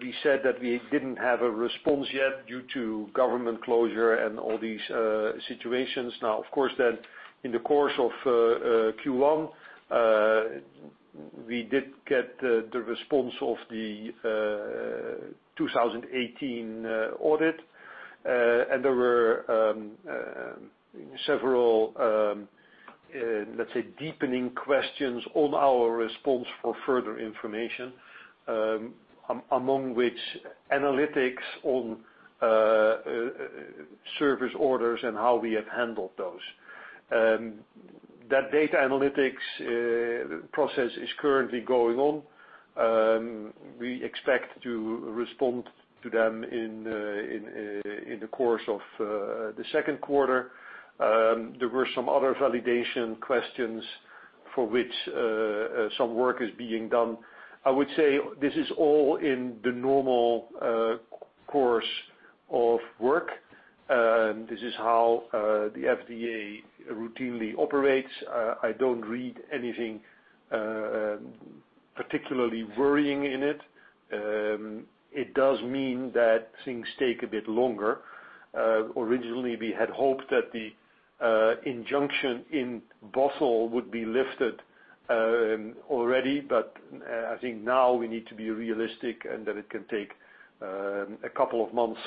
we said that we didn't have a response yet due to government closure and all these situations. Of course, in the course of Q1, we did get the response of the 2018 audit. There were several, let's say, deepening questions on our response for further information, among which analytics on service orders and how we have handled those. That data analytics process is currently going on. We expect to respond to them in the course of the second quarter. There were some other validation questions for which some work is being done. I would say this is all in the normal course of work. This is how the FDA routinely operates. I don't read anything particularly worrying in it. It does mean that things take a bit longer. Originally, we had hoped that the injunction in Bothell would be lifted already, but I think now we need to be realistic and that it can take a couple of months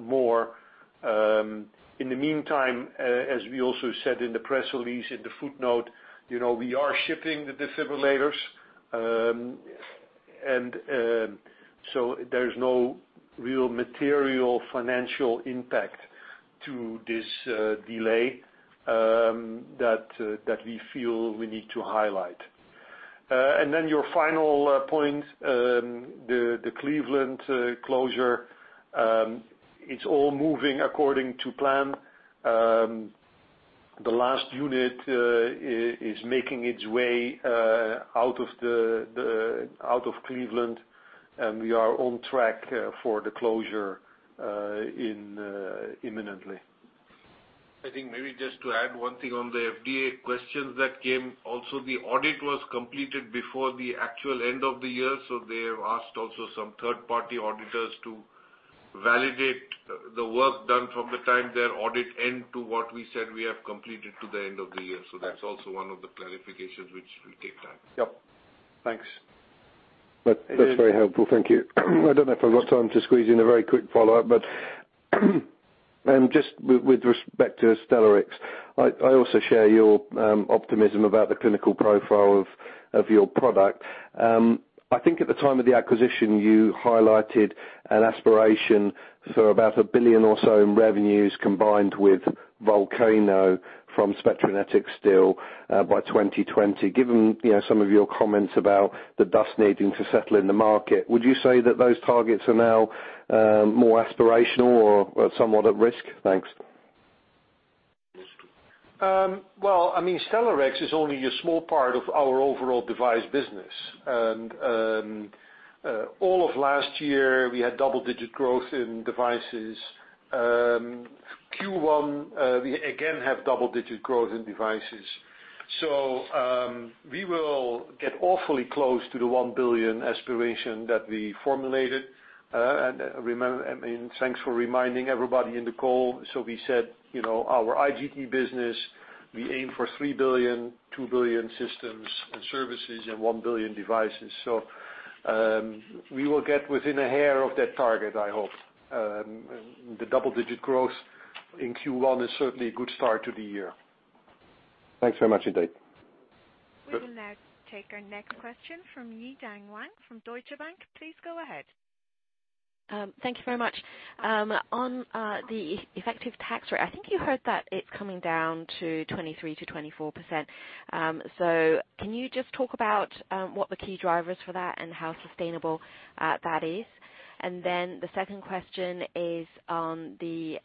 more. In the meantime, as we also said in the press release in the footnote, you know, we are shipping the defibrillators. There is no real material financial impact to this delay that we feel we need to highlight. Your final point, the Cleveland closure, it's all moving according to plan. The last unit is making its way out of Cleveland, and we are on track for the closure imminently.. I think maybe just to add one thing on the FDA questions that came. The audit was completed before the actual end of the year, they have asked also some third-party auditors to validate the work done from the time their audit end to what we said we have completed to the end of the year. That's also one of the clarifications which will take time. Yep. Thanks. That's very helpful. Thank you. I don't know if I've got time to squeeze in a very quick follow-up, but just with respect to Stellarex, I also share your optimism about the clinical profile of your product. I think at the time of the acquisition, you highlighted an aspiration for about a billion or so in revenues combined with Volcano from Spectranetics still by 2020. Given some of your comments about the dust needing to settle in the market, would you say that those targets are now more aspirational or somewhat at risk? Thanks. Well, I mean Stellarex is only a small part of our overall device business. All of last year, we had double-digit growth in devices. Q1, we again have double-digit growth in devices. We will get awfully close to the 1 billion aspiration that we formulated. Thanks for reminding everybody in the call. We said, our IGT business, we aim for 3 billion, 2 billion systems and services, and 1 billion devices. We will get within a hair of that target, I hope. The double-digit growth in Q1 is certainly a good start to the year. Thanks very much indeed. We will now take our next question from Yi-Dan Wang from Deutsche Bank. Please go ahead. Thank you very much. On the effective tax rate, I think you heard that it is coming down to 23%-24%. Can you just talk about what the key driver is for that and how sustainable that is? The second question is on the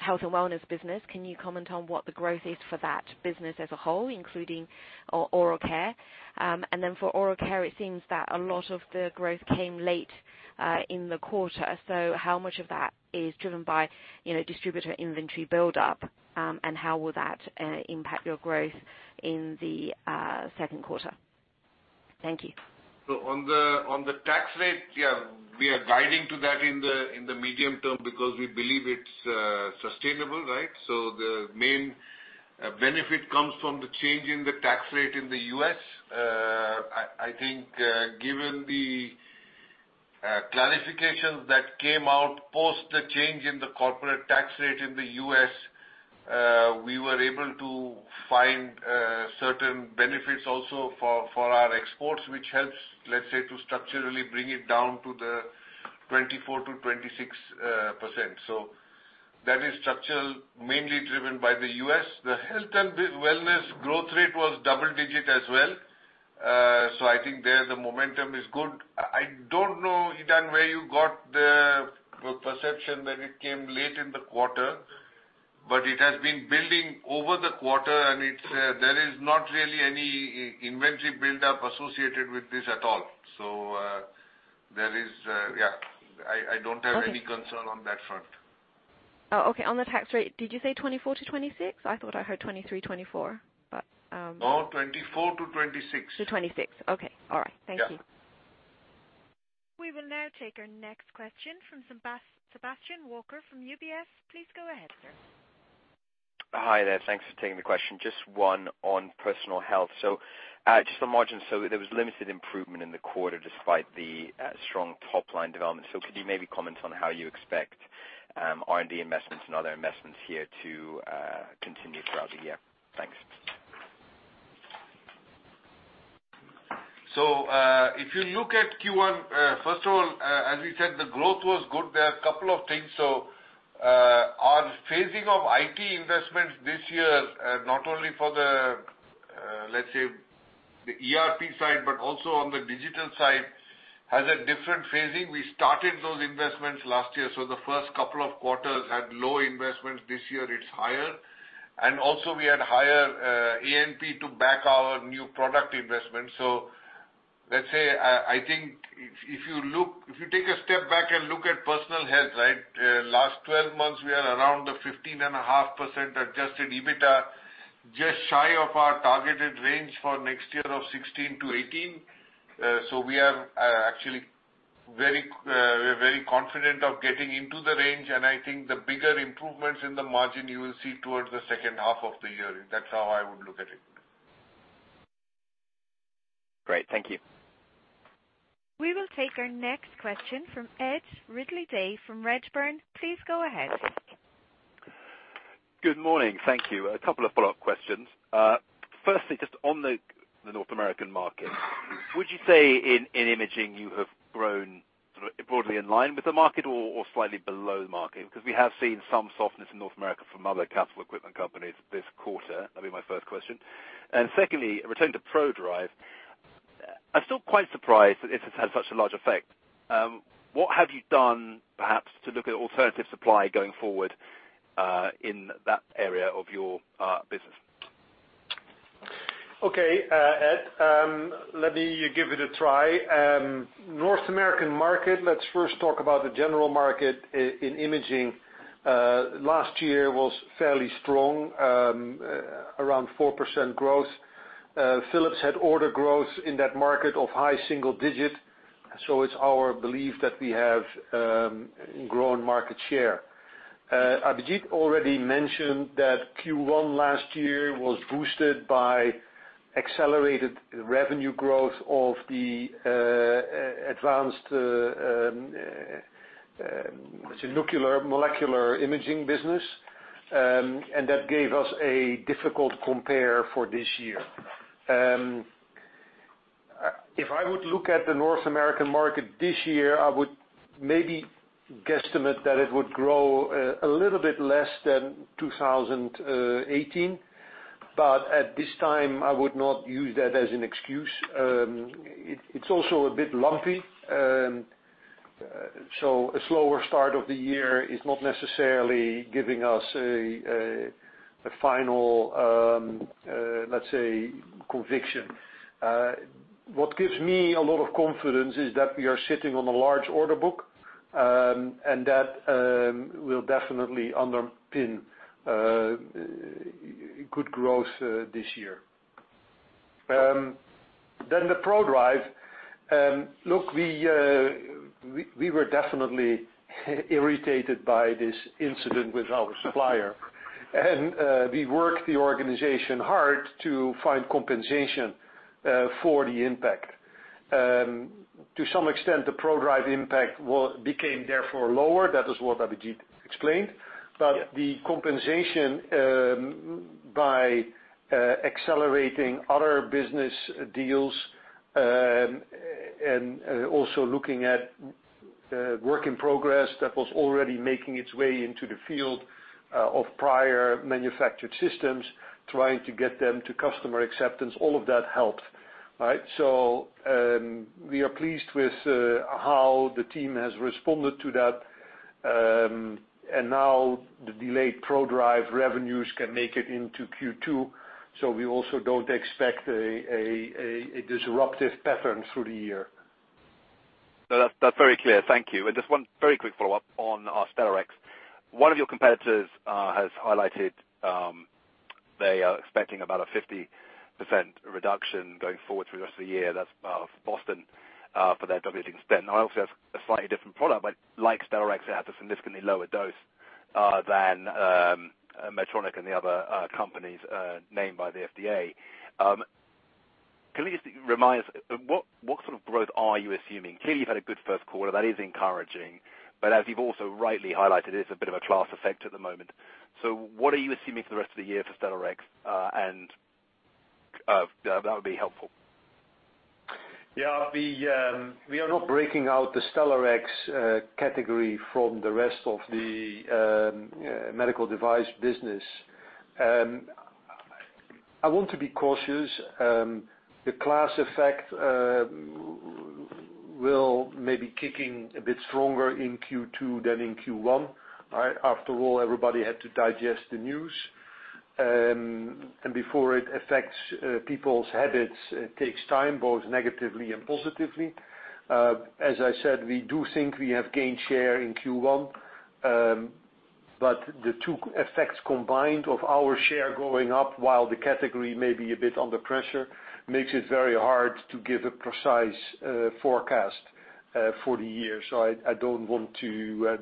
health and wellness business. Can you comment on what the growth is for that business as a whole, including Oral Care? For Oral Care, it seems that a lot of the growth came late in the quarter. How much of that is driven by, you know, distributor inventory buildup, and how will that impact your growth in the second quarter? Thank you. On the tax rate, yeah, we are guiding to that in the medium term because we believe it is sustainable, right? The main benefit comes from the change in the tax rate in the U.S.. I think, given the clarifications that came out post the change in the corporate tax rate in the U.S., we were able to find certain benefits also for our exports, which helps, let's say, to structurally bring it down to the 24%-26%. That is structural, mainly driven by the U.S.. The health and wellness growth rate was double digit as well. I think there the momentum is good. I don't know, Yi-Dan, where you got the perception that it came late in the quarter, but it has been building over the quarter, and there is not really any inventory buildup associated with this at all. I don't have any concern on that front. Okay. On the tax rate, did you say 24%-26%? I thought I heard 23%, 24%. No, 24%-26%. To 26%. Okay. All right. Thank you. Yeah. We will now take our next question from Sebastian Walker from UBS. Please go ahead, sir. Hi there. Thanks for taking the question. Just one on Personal Health. Just on margins, so there was limited improvement in the quarter despite the strong top-line development. Could you maybe comment on how you expect R&D investments and other investments here to continue throughout the year? Thanks. If you look at Q1, first of all, as we said, the growth was good. There are a couple of things, though. Our phasing of IT investments this year, not only for the, let's say, the ERP side, but also on the digital side, has a different phasing. We started those investments last year. The first couple of quarters had low investments. This year it's higher. We had higher A&P to back our new product investment. Let's say, I think if you take a step back and look at personal health, right? Last 12 months, we are around the 15.5% Adjusted EBITA, just shy of our targeted range for next year of 16%-18%. We are actually very confident of getting into the range, and I think the bigger improvements in the margin you will see towards the second half of the year. That's how I would look at it. Great. Thank you. We will take our next question from Ed Ridley-Day from Redburn. Please go ahead. Good morning. Thank you. A couple of follow-up questions. Firstly, just on the North American market. Would you say in imaging, you have grown broadly in line with the market or slightly below the market? We have seen some softness in North America from other capital equipment companies this quarter. That'd be my first question. Secondly, returning to Prodrive, I'm still quite surprised that this has had such a large effect. What have you done, perhaps, to look at alternative supply going forward, in that area of your business? Okay. Ed, let me give it a try. North American market, let's first talk about the general market in imaging. Last year was fairly strong, around 4% growth. Philips had order growth in that market of high-single digits, so it's our belief that we have grown market share. Abhijit already mentioned that Q1 last year was boosted by accelerated revenue growth of the advanced nuclear, molecular imaging business. That gave us a difficult compare for this year. If I were to look at the North American market this year, I would maybe guesstimate that it would grow a little bit less than 2018. But, at this time, I would not use that as an excuse. It's also a bit lumpy. A slower start of the year is not necessarily giving us a final, let's say, conviction. What gives me a lot of confidence is that we are sitting on a large order book. That will definitely underpin good growth this year. The Prodrive. Look, we were definitely irritated by this incident with our supplier. We worked the organization hard to find compensation for the impact. To some extent, the Prodrive impact became therefore lower. That is what Abhijit explained. Yeah. The compensation by accelerating other business deals, and also looking at work in progress that was already making its way into the field of prior manufactured systems, trying to get them to customer acceptance, all of that helped. We are pleased with how the team has responded to that. Now, the delayed Prodrive revenues can make it into Q2, so we also don't expect a disruptive pattern through the year. No, that's very clear. Thank you. Just one very quick follow-up on Stellarex. One of your competitors has highlighted they are expecting about a 50% reduction going forward through the rest of the year. That's Boston Scientific, for their 2018 spend. Obviously that's a slightly different product, but like Stellarex, it has a significantly lower dose than Medtronic and the other companies named by the FDA. Can you just remind us, what sort of growth are you assuming? Clearly, you've had a good first quarter. That is encouraging. As you've also rightly highlighted, it's a bit of a class effect at the moment. What are you assuming for the rest of the year for Stellarex? That would be helpful. We are not breaking out the Stellarex category from the rest of the medical device business. I want to be cautious. The class effect may be kicking a bit stronger in Q2 than in Q1. After all, everybody had to digest the news. Before it affects people's habits, it takes time, both negatively and positively. As I said, we do think we have gained share in Q1. The two effects combined of our share going up while the category may be a bit under pressure, makes it very hard to give a precise forecast for the year. I don't want to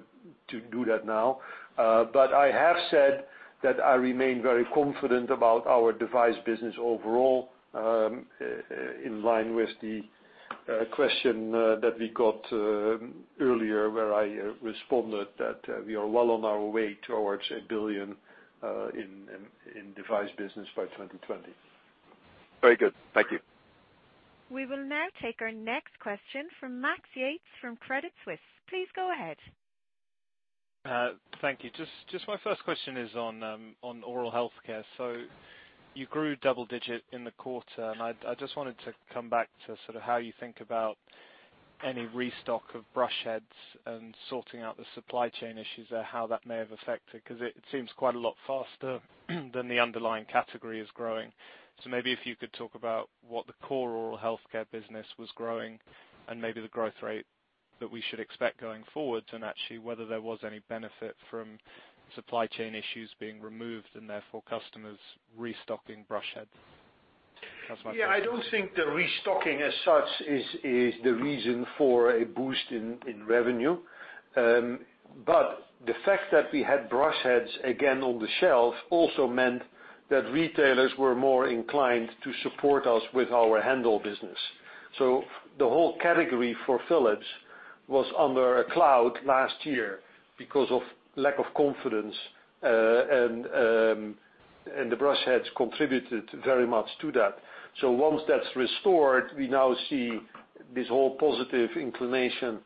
do that now. I have said that I remain very confident about our device business overall, in line with the question that we got earlier, where I responded that we are well on our way towards 1 billion in device business by 2020. Very good. Thank you. We will now take our next question from Max Yates from Credit Suisse. Please go ahead. Thank you. Just my first question is on oral healthcare. You grew double-digit in the quarter, I just wanted to come back to how you think about any restock of brush heads and sorting out the supply chain issues there, how that may have affected. It seems quite a lot faster than the underlying category is growing. Maybe if you could talk about what the core oral healthcare business was growing, and maybe the growth rate that we should expect going forward. Actually, whether there was any benefit from supply chain issues being removed and therefore customers restocking brush heads. That was my question. Yeah, I don't think the restocking as such is the reason for a boost in revenue. The fact that we had brush heads again on the shelf also meant that retailers were more inclined to support us with our handle business. The whole category for Philips was under a cloud last year because of lack of confidence, and the brush heads contributed very much to that. Once that's restored, we now see this whole positive inclination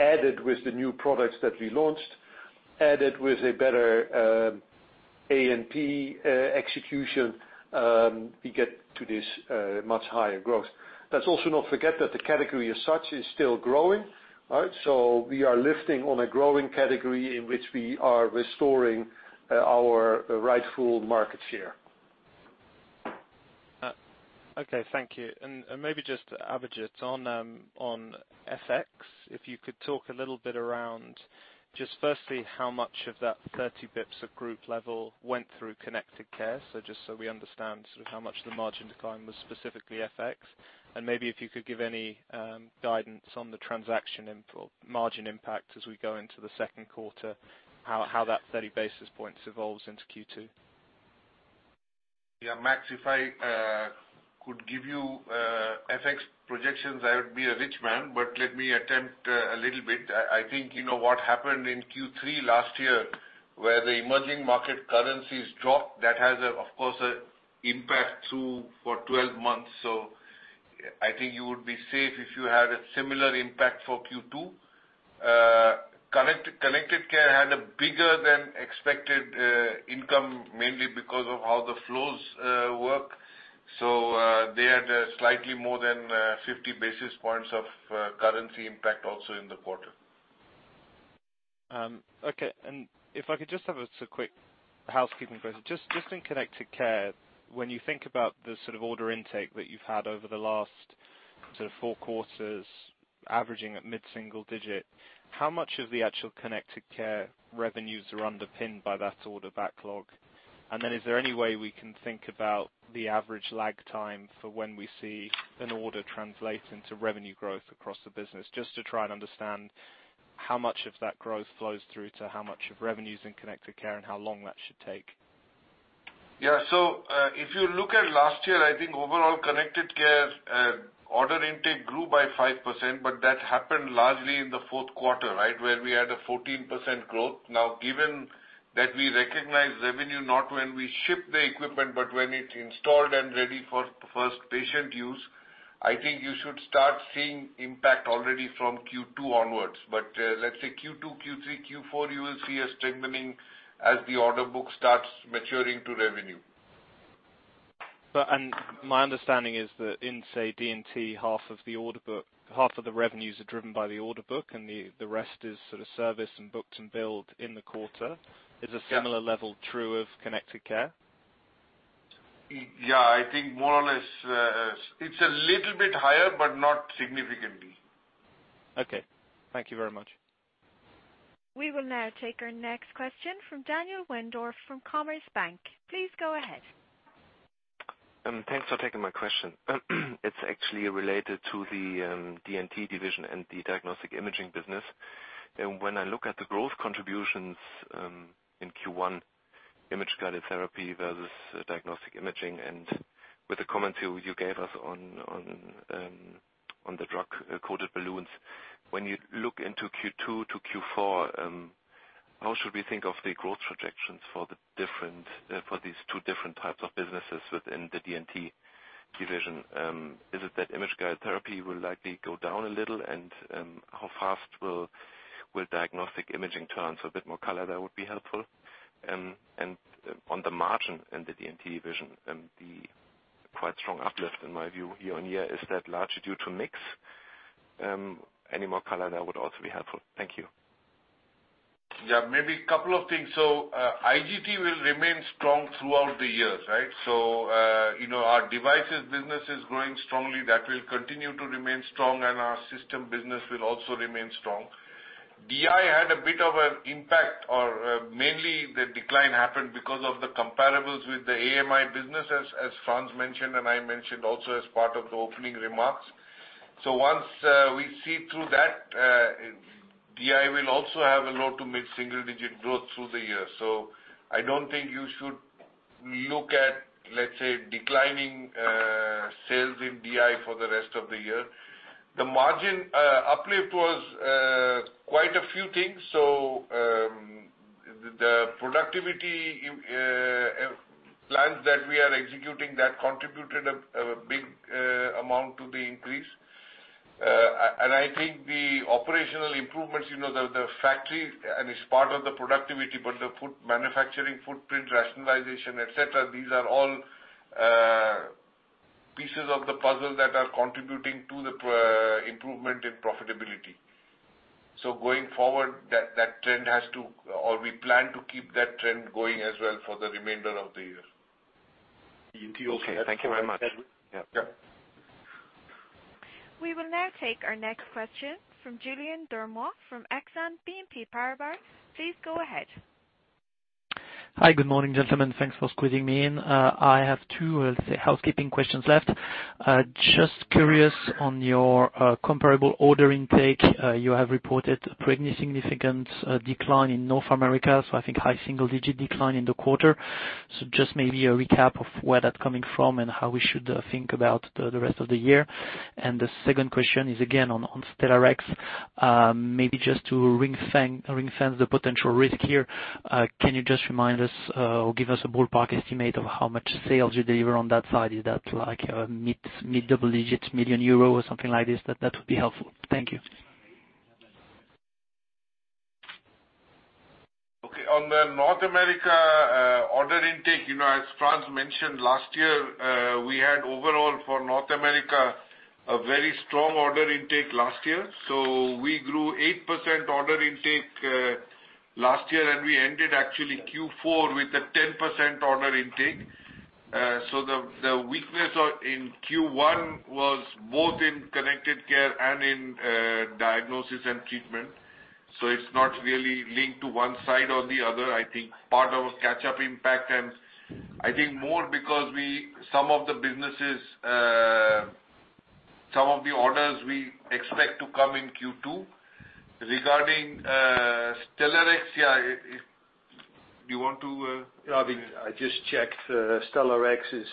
added with the new products that we launched, added with a better A&P execution, we get to this much higher growth. Let's also not forget that the category as such is still growing. We are lifting on a growing category in which we are restoring our rightful market share. Okay. Thank you. Maybe just, Abhijit, on FX, if you could talk a little bit around just firstly, how much of that 30 basis points at group level went through Connected Care. Just so we understand sort of how much the margin decline was specifically FX. Maybe if you could give any guidance on the transaction margin impact as we go into the second quarter, how that 30 basis points evolves into Q2. Yeah. Max, if I could give you FX projections, I would be a rich man. Let me attempt a little bit. I think you know what happened in Q3 last year, where the emerging market currencies dropped. That has, of course, an impact through for 12 months. I think you would be safe if you had a similar impact for Q2. Connected Care had a bigger than expected income, mainly because of how the flows work. They had slightly more than 50 basis points of currency impact also in the quarter. Okay. If I could just have a quick housekeeping question. Just in Connected Care, when you think about the sort of order intake that you've had over the last sort of four quarters averaging at mid-single digit, how much of the actual Connected Care revenues are underpinned by that order backlog? Is there any way we can think about the average lag time for when we see an order translate into revenue growth across the business, just to try and understand how much of that growth flows through to how much of revenue is in Connected Care and how long that should take? Yeah. If you look at last year, I think overall Connected Care order intake grew by 5%, but that happened largely in the fourth quarter where we had a 14% growth. Given that we recognize revenue not when we ship the equipment, but when it's installed and ready for first patient use, I think you should start seeing impact already from Q2 onwards. Let's say Q2, Q3, Q4, you will see a strengthening as the order book starts maturing to revenue. My understanding is that in, say, D&T, half of the revenues are driven by the order book and the rest is sort of service and booked and build in the quarter. Yeah. Is a similar level true of Connected Care? Yeah, I think more or less. It's a little bit higher, but not significantly. Okay. Thank you very much. We will now take our next question from Daniel Wendorff from Commerzbank. Please go ahead. Thanks for taking my question. I look at the growth contributions in Q1, image-guided therapy versus diagnostic imaging, and with the comments you gave us on the drug-coated balloons. You look into Q2 to Q4, how should we think of the growth projections for these two different types of businesses within the D&T division? Is it that image-guided therapy will likely go down a little, and how fast will diagnostic imaging turn? A bit more color there would be helpful. On the margin in the D&T division and the quite strong uplift in my view year-on-year, is that largely due to mix? Any more color there would also be helpful. Thank you. Yeah, maybe a couple of things. IGT will remain strong throughout the year. Our devices business is growing strongly. That will continue to remain strong, and our system business will also remain strong. DI had a bit of an impact or mainly the decline happened because of the comparables with the AMI business, as Frans mentioned and I mentioned also as part of the opening remarks. Once we see through that, DI will also have a low- to mid-single-digit growth through the year. I don't think you should look at, let's say, declining sales in DI for the rest of the year. The margin uplift was quite a few things. The productivity plans that we are executing, that contributed a big amount to the increase. I think the operational improvements, you know, the factory, and it's part of the productivity, but the manufacturing footprint, rationalization, et cetera, these are all pieces of the puzzle that are contributing to the improvement in profitability. Going forward, we plan to keep that trend going as well for the remainder of the year. Okay. Thank you very much. Yeah. We will now take our next question from Julien Dormois from Exane BNP Paribas. Please go ahead. Hi. Good morning, gentlemen. Thanks for squeezing me in. I have two, let's say, housekeeping questions left. Curious on your comparable order intake. You have reported a pretty significant decline in North America, high single-digit decline in the quarter. Maybe a recap of where that's coming from and how we should think about the rest of the year. The second question is again on Stellarex. Maybe just to ring-fence the potential risk here, can you just remind us or give us a ballpark estimate of how much sales you deliver on that side? Is that mid-double-digit million EUR or something like this? That would be helpful. Thank you. Okay. On the North America order intake, as Frans mentioned, last year, we had overall for North America, a very strong order intake last year. We grew 8% order intake last year, and we ended actually Q4 with a 10% order intake. The weakness in Q1 was both in Connected Care and in Diagnosis and Treatment. It's not really linked to one side or the other. I think part of a catch-up impact, and I think more because some of the orders we expect to come in Q2. Regarding Stellarex, yeah, do you want to? I just checked. Stellarex is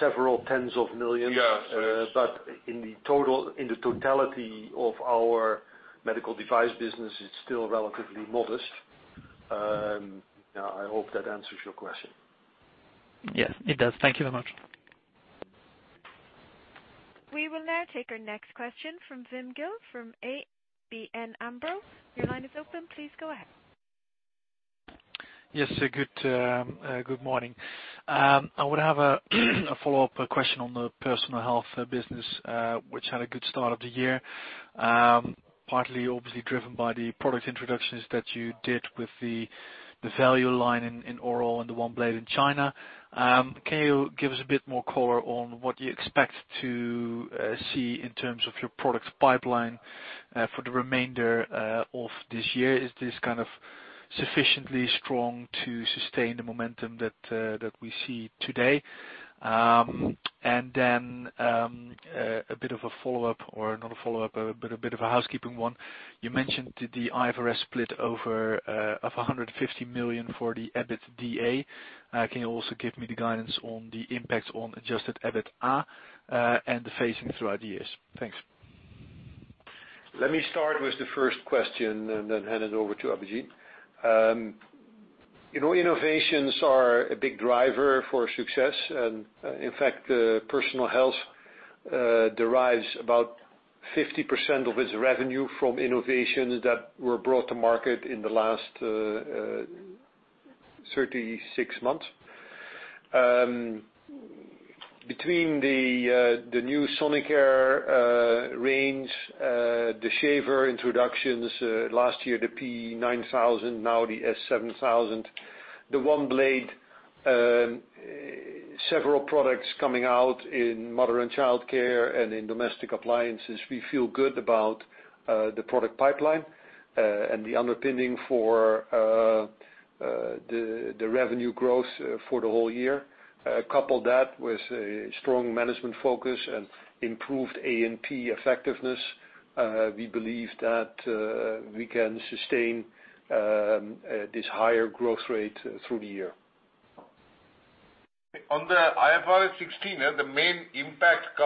several tens of millions. Yes. In the totality of our medical device business, it's still relatively modest. I hope that answers your question. Yes, it does. Thank you very much. We will now take our next question from Wim Gille from ABN AMRO. Your line is open. Please go ahead. Yes, good morning. I would have a follow-up question on the Personal Health business, which had a good start of the year. Partly, obviously driven by the product introductions that you did with the value line in Oral and the OneBlade in China. Can you give us a bit more color on what you expect to see in terms of your product pipeline for the remainder of this year? Is this sufficiently strong to sustain the momentum that we see today? Then, a bit of a follow-up, or not a follow-up, but a bit of a housekeeping one. You mentioned the IFRS split of 150 million for the EBITDA. Can you also give me the guidance on the impact on Adjusted EBITA and the phasing throughout the years? Thanks. Let me start with the first question and then hand it over to Abhijit. You know, Innovations are a big driver for success and, in fact, Personal Health derives about 50% of its revenue from innovations that were brought to market in the last 36 months. Between the new Sonicare range, the shaver introductions last year, the P9000, now the S7000, the OneBlade, several products coming out in mother and childcare and in domestic appliances. We feel good about the product pipeline, and the underpinning for the revenue growth for the whole year. Couple that with a strong management focus and improved A&P effectiveness, we believe that we can sustain this higher growth rate through the year. On the IFRS 16, most of the impact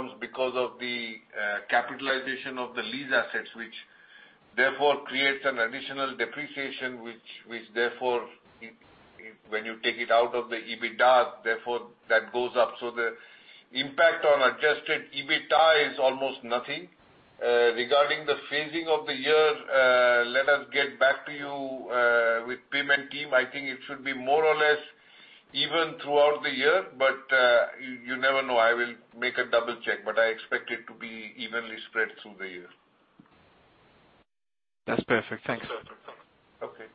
comes because of the capitalization of the lease assets, which therefore creates an additional depreciation, which therefore, when you take it out of the EBITDA, therefore that goes up. The impact on Adjusted EBITDA is almost nothing. Regarding the phasing of the year, let us get back to you with payment team. I think it should be more or less even throughout the year, but you never know. I will make a double check, but I expect it to be evenly spread through the year. That's perfect. Thanks. Okay.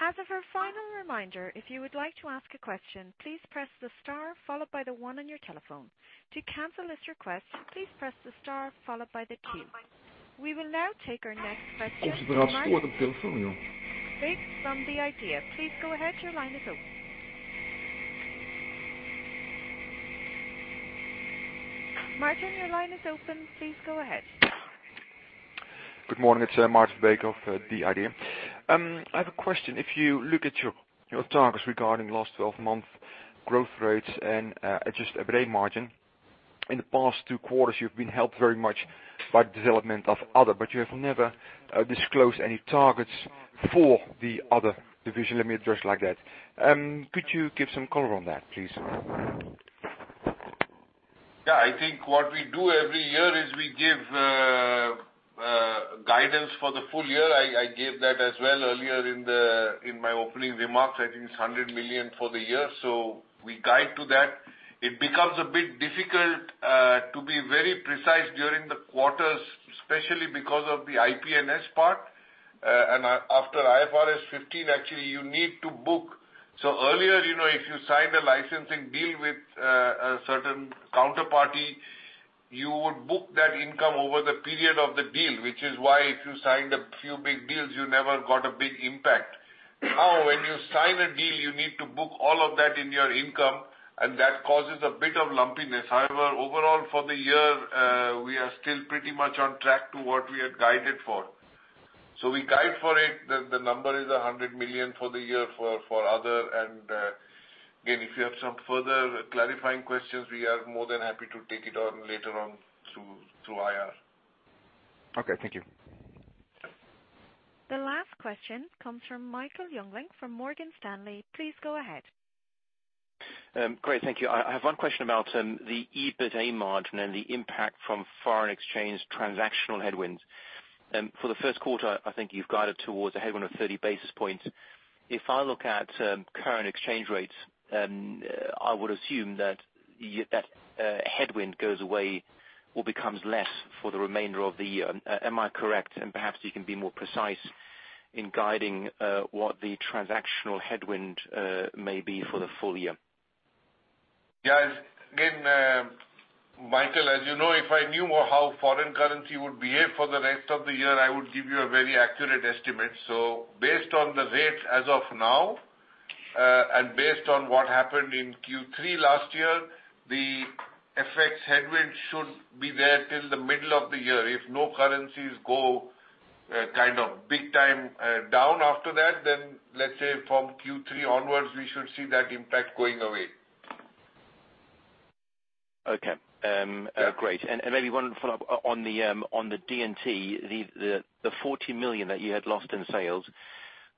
As of our final reminder, if you would like to ask a question, please press the star followed by the one on your telephone. To cancel this request, please press the star followed by the key. We will now take our next question. From The Idea. Please go ahead. Your line is open. Maarten, your line is open. Please go ahead. Good morning. It's Maarten Verbeek of The Idea. I have a question. If you look at your targets regarding last 12-month growth rates and adjusted EBITA margin. In the past two quarters, you've been helped very much by the development of other, you have never disclosed any targets for the other division. Let me address like that. Could you give some color on that, please? Yeah. I think what we do every year is we give guidance for the full year. I gave that as well earlier in my opening remarks. I think it's 100 million for the year. We guide to that. It becomes a bit difficult to be very precise during the quarters, especially because of the IP&S part. After IFRS 15, actually, you need to book. Earlier, if you sign a licensing deal with a certain counterparty, you would book that income over the period of the deal, which is why if you signed a few big deals, you never got a big impact. When you sign a deal, you need to book all of that in your income, and that causes a bit of lumpiness. Overall for the year, we are still pretty much on track to what we had guided for. We guide for it, the number is 100 million for the year for other, and again, if you have some further clarifying questions, we are more than happy to take it on later on through IR. Okay, thank you. The last question comes from Michael Jüngling from Morgan Stanley. Please go ahead. Great. Thank you. I have one question about the EBITA margin and the impact from foreign exchange transactional headwinds. For the first quarter, I think you've guided towards a headwind of 30 basis points. If I look at current exchange rates, I would assume that headwind goes away or becomes less for the remainder of the year. Am I correct? Perhaps you can be more precise in guiding what the transactional headwind may be for the full year. Yeah. Again, Michael, as you know, if I knew how foreign currency would behave for the rest of the year, I would give you a very accurate estimate. Based on the rates as of now, based on what happened in Q3 last year, the FX headwind should be there till the middle of the year. If no currencies go big time down after that, let's say from Q3 onwards, we should see that impact going away. Okay. Yeah. Great. Maybe one follow-up on the D&T, the 40 million that you had lost in sales.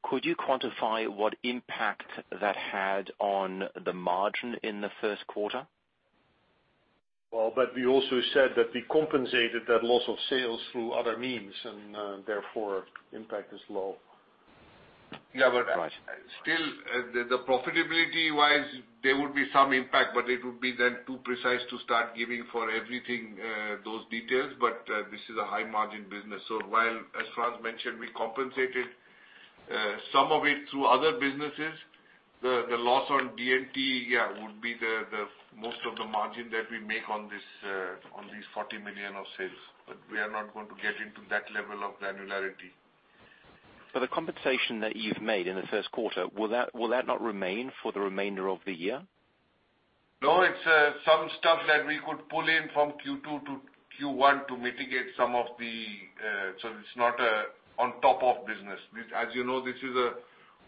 Could you quantify what impact that had on the margin in the first quarter? Well, we also said that we compensated that loss of sales through other means, therefore impact is low. Yeah. Right Still, the profitability wise, there would be some impact, but it would be then too precise to start giving for everything, those details, but this is a high margin business. While, as Frans mentioned, we compensated some of it through other businesses, the loss on D&T, yeah, would be the most of the margin that we make on these 40 million of sales. We are not going to get into that level of granularity. The compensation that you've made in the first quarter, will that not remain for the remainder of the year? No, it's some stuff that we could pull in from Q2-Q1. It's not on top of business. As you know, this is a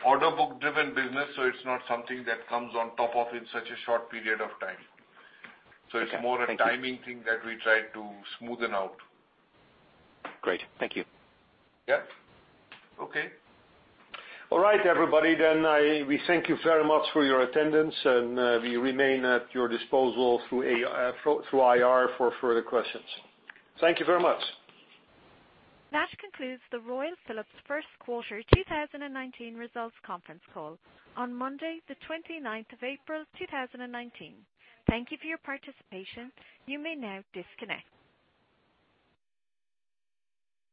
order book driven business, so it's not something that comes on top of in such a short period of time. Okay. It's more a timing thing that we try to smoothen out. Great. Thank you. Yeah. Okay. All right, everybody, we thank you very much for your attendance, and we remain at your disposal through IR for further questions. Thank you very much. That concludes the Royal Philips first quarter 2019 results conference call on Monday, the April 29th, 2019. Thank you for your participation. You may now disconnect.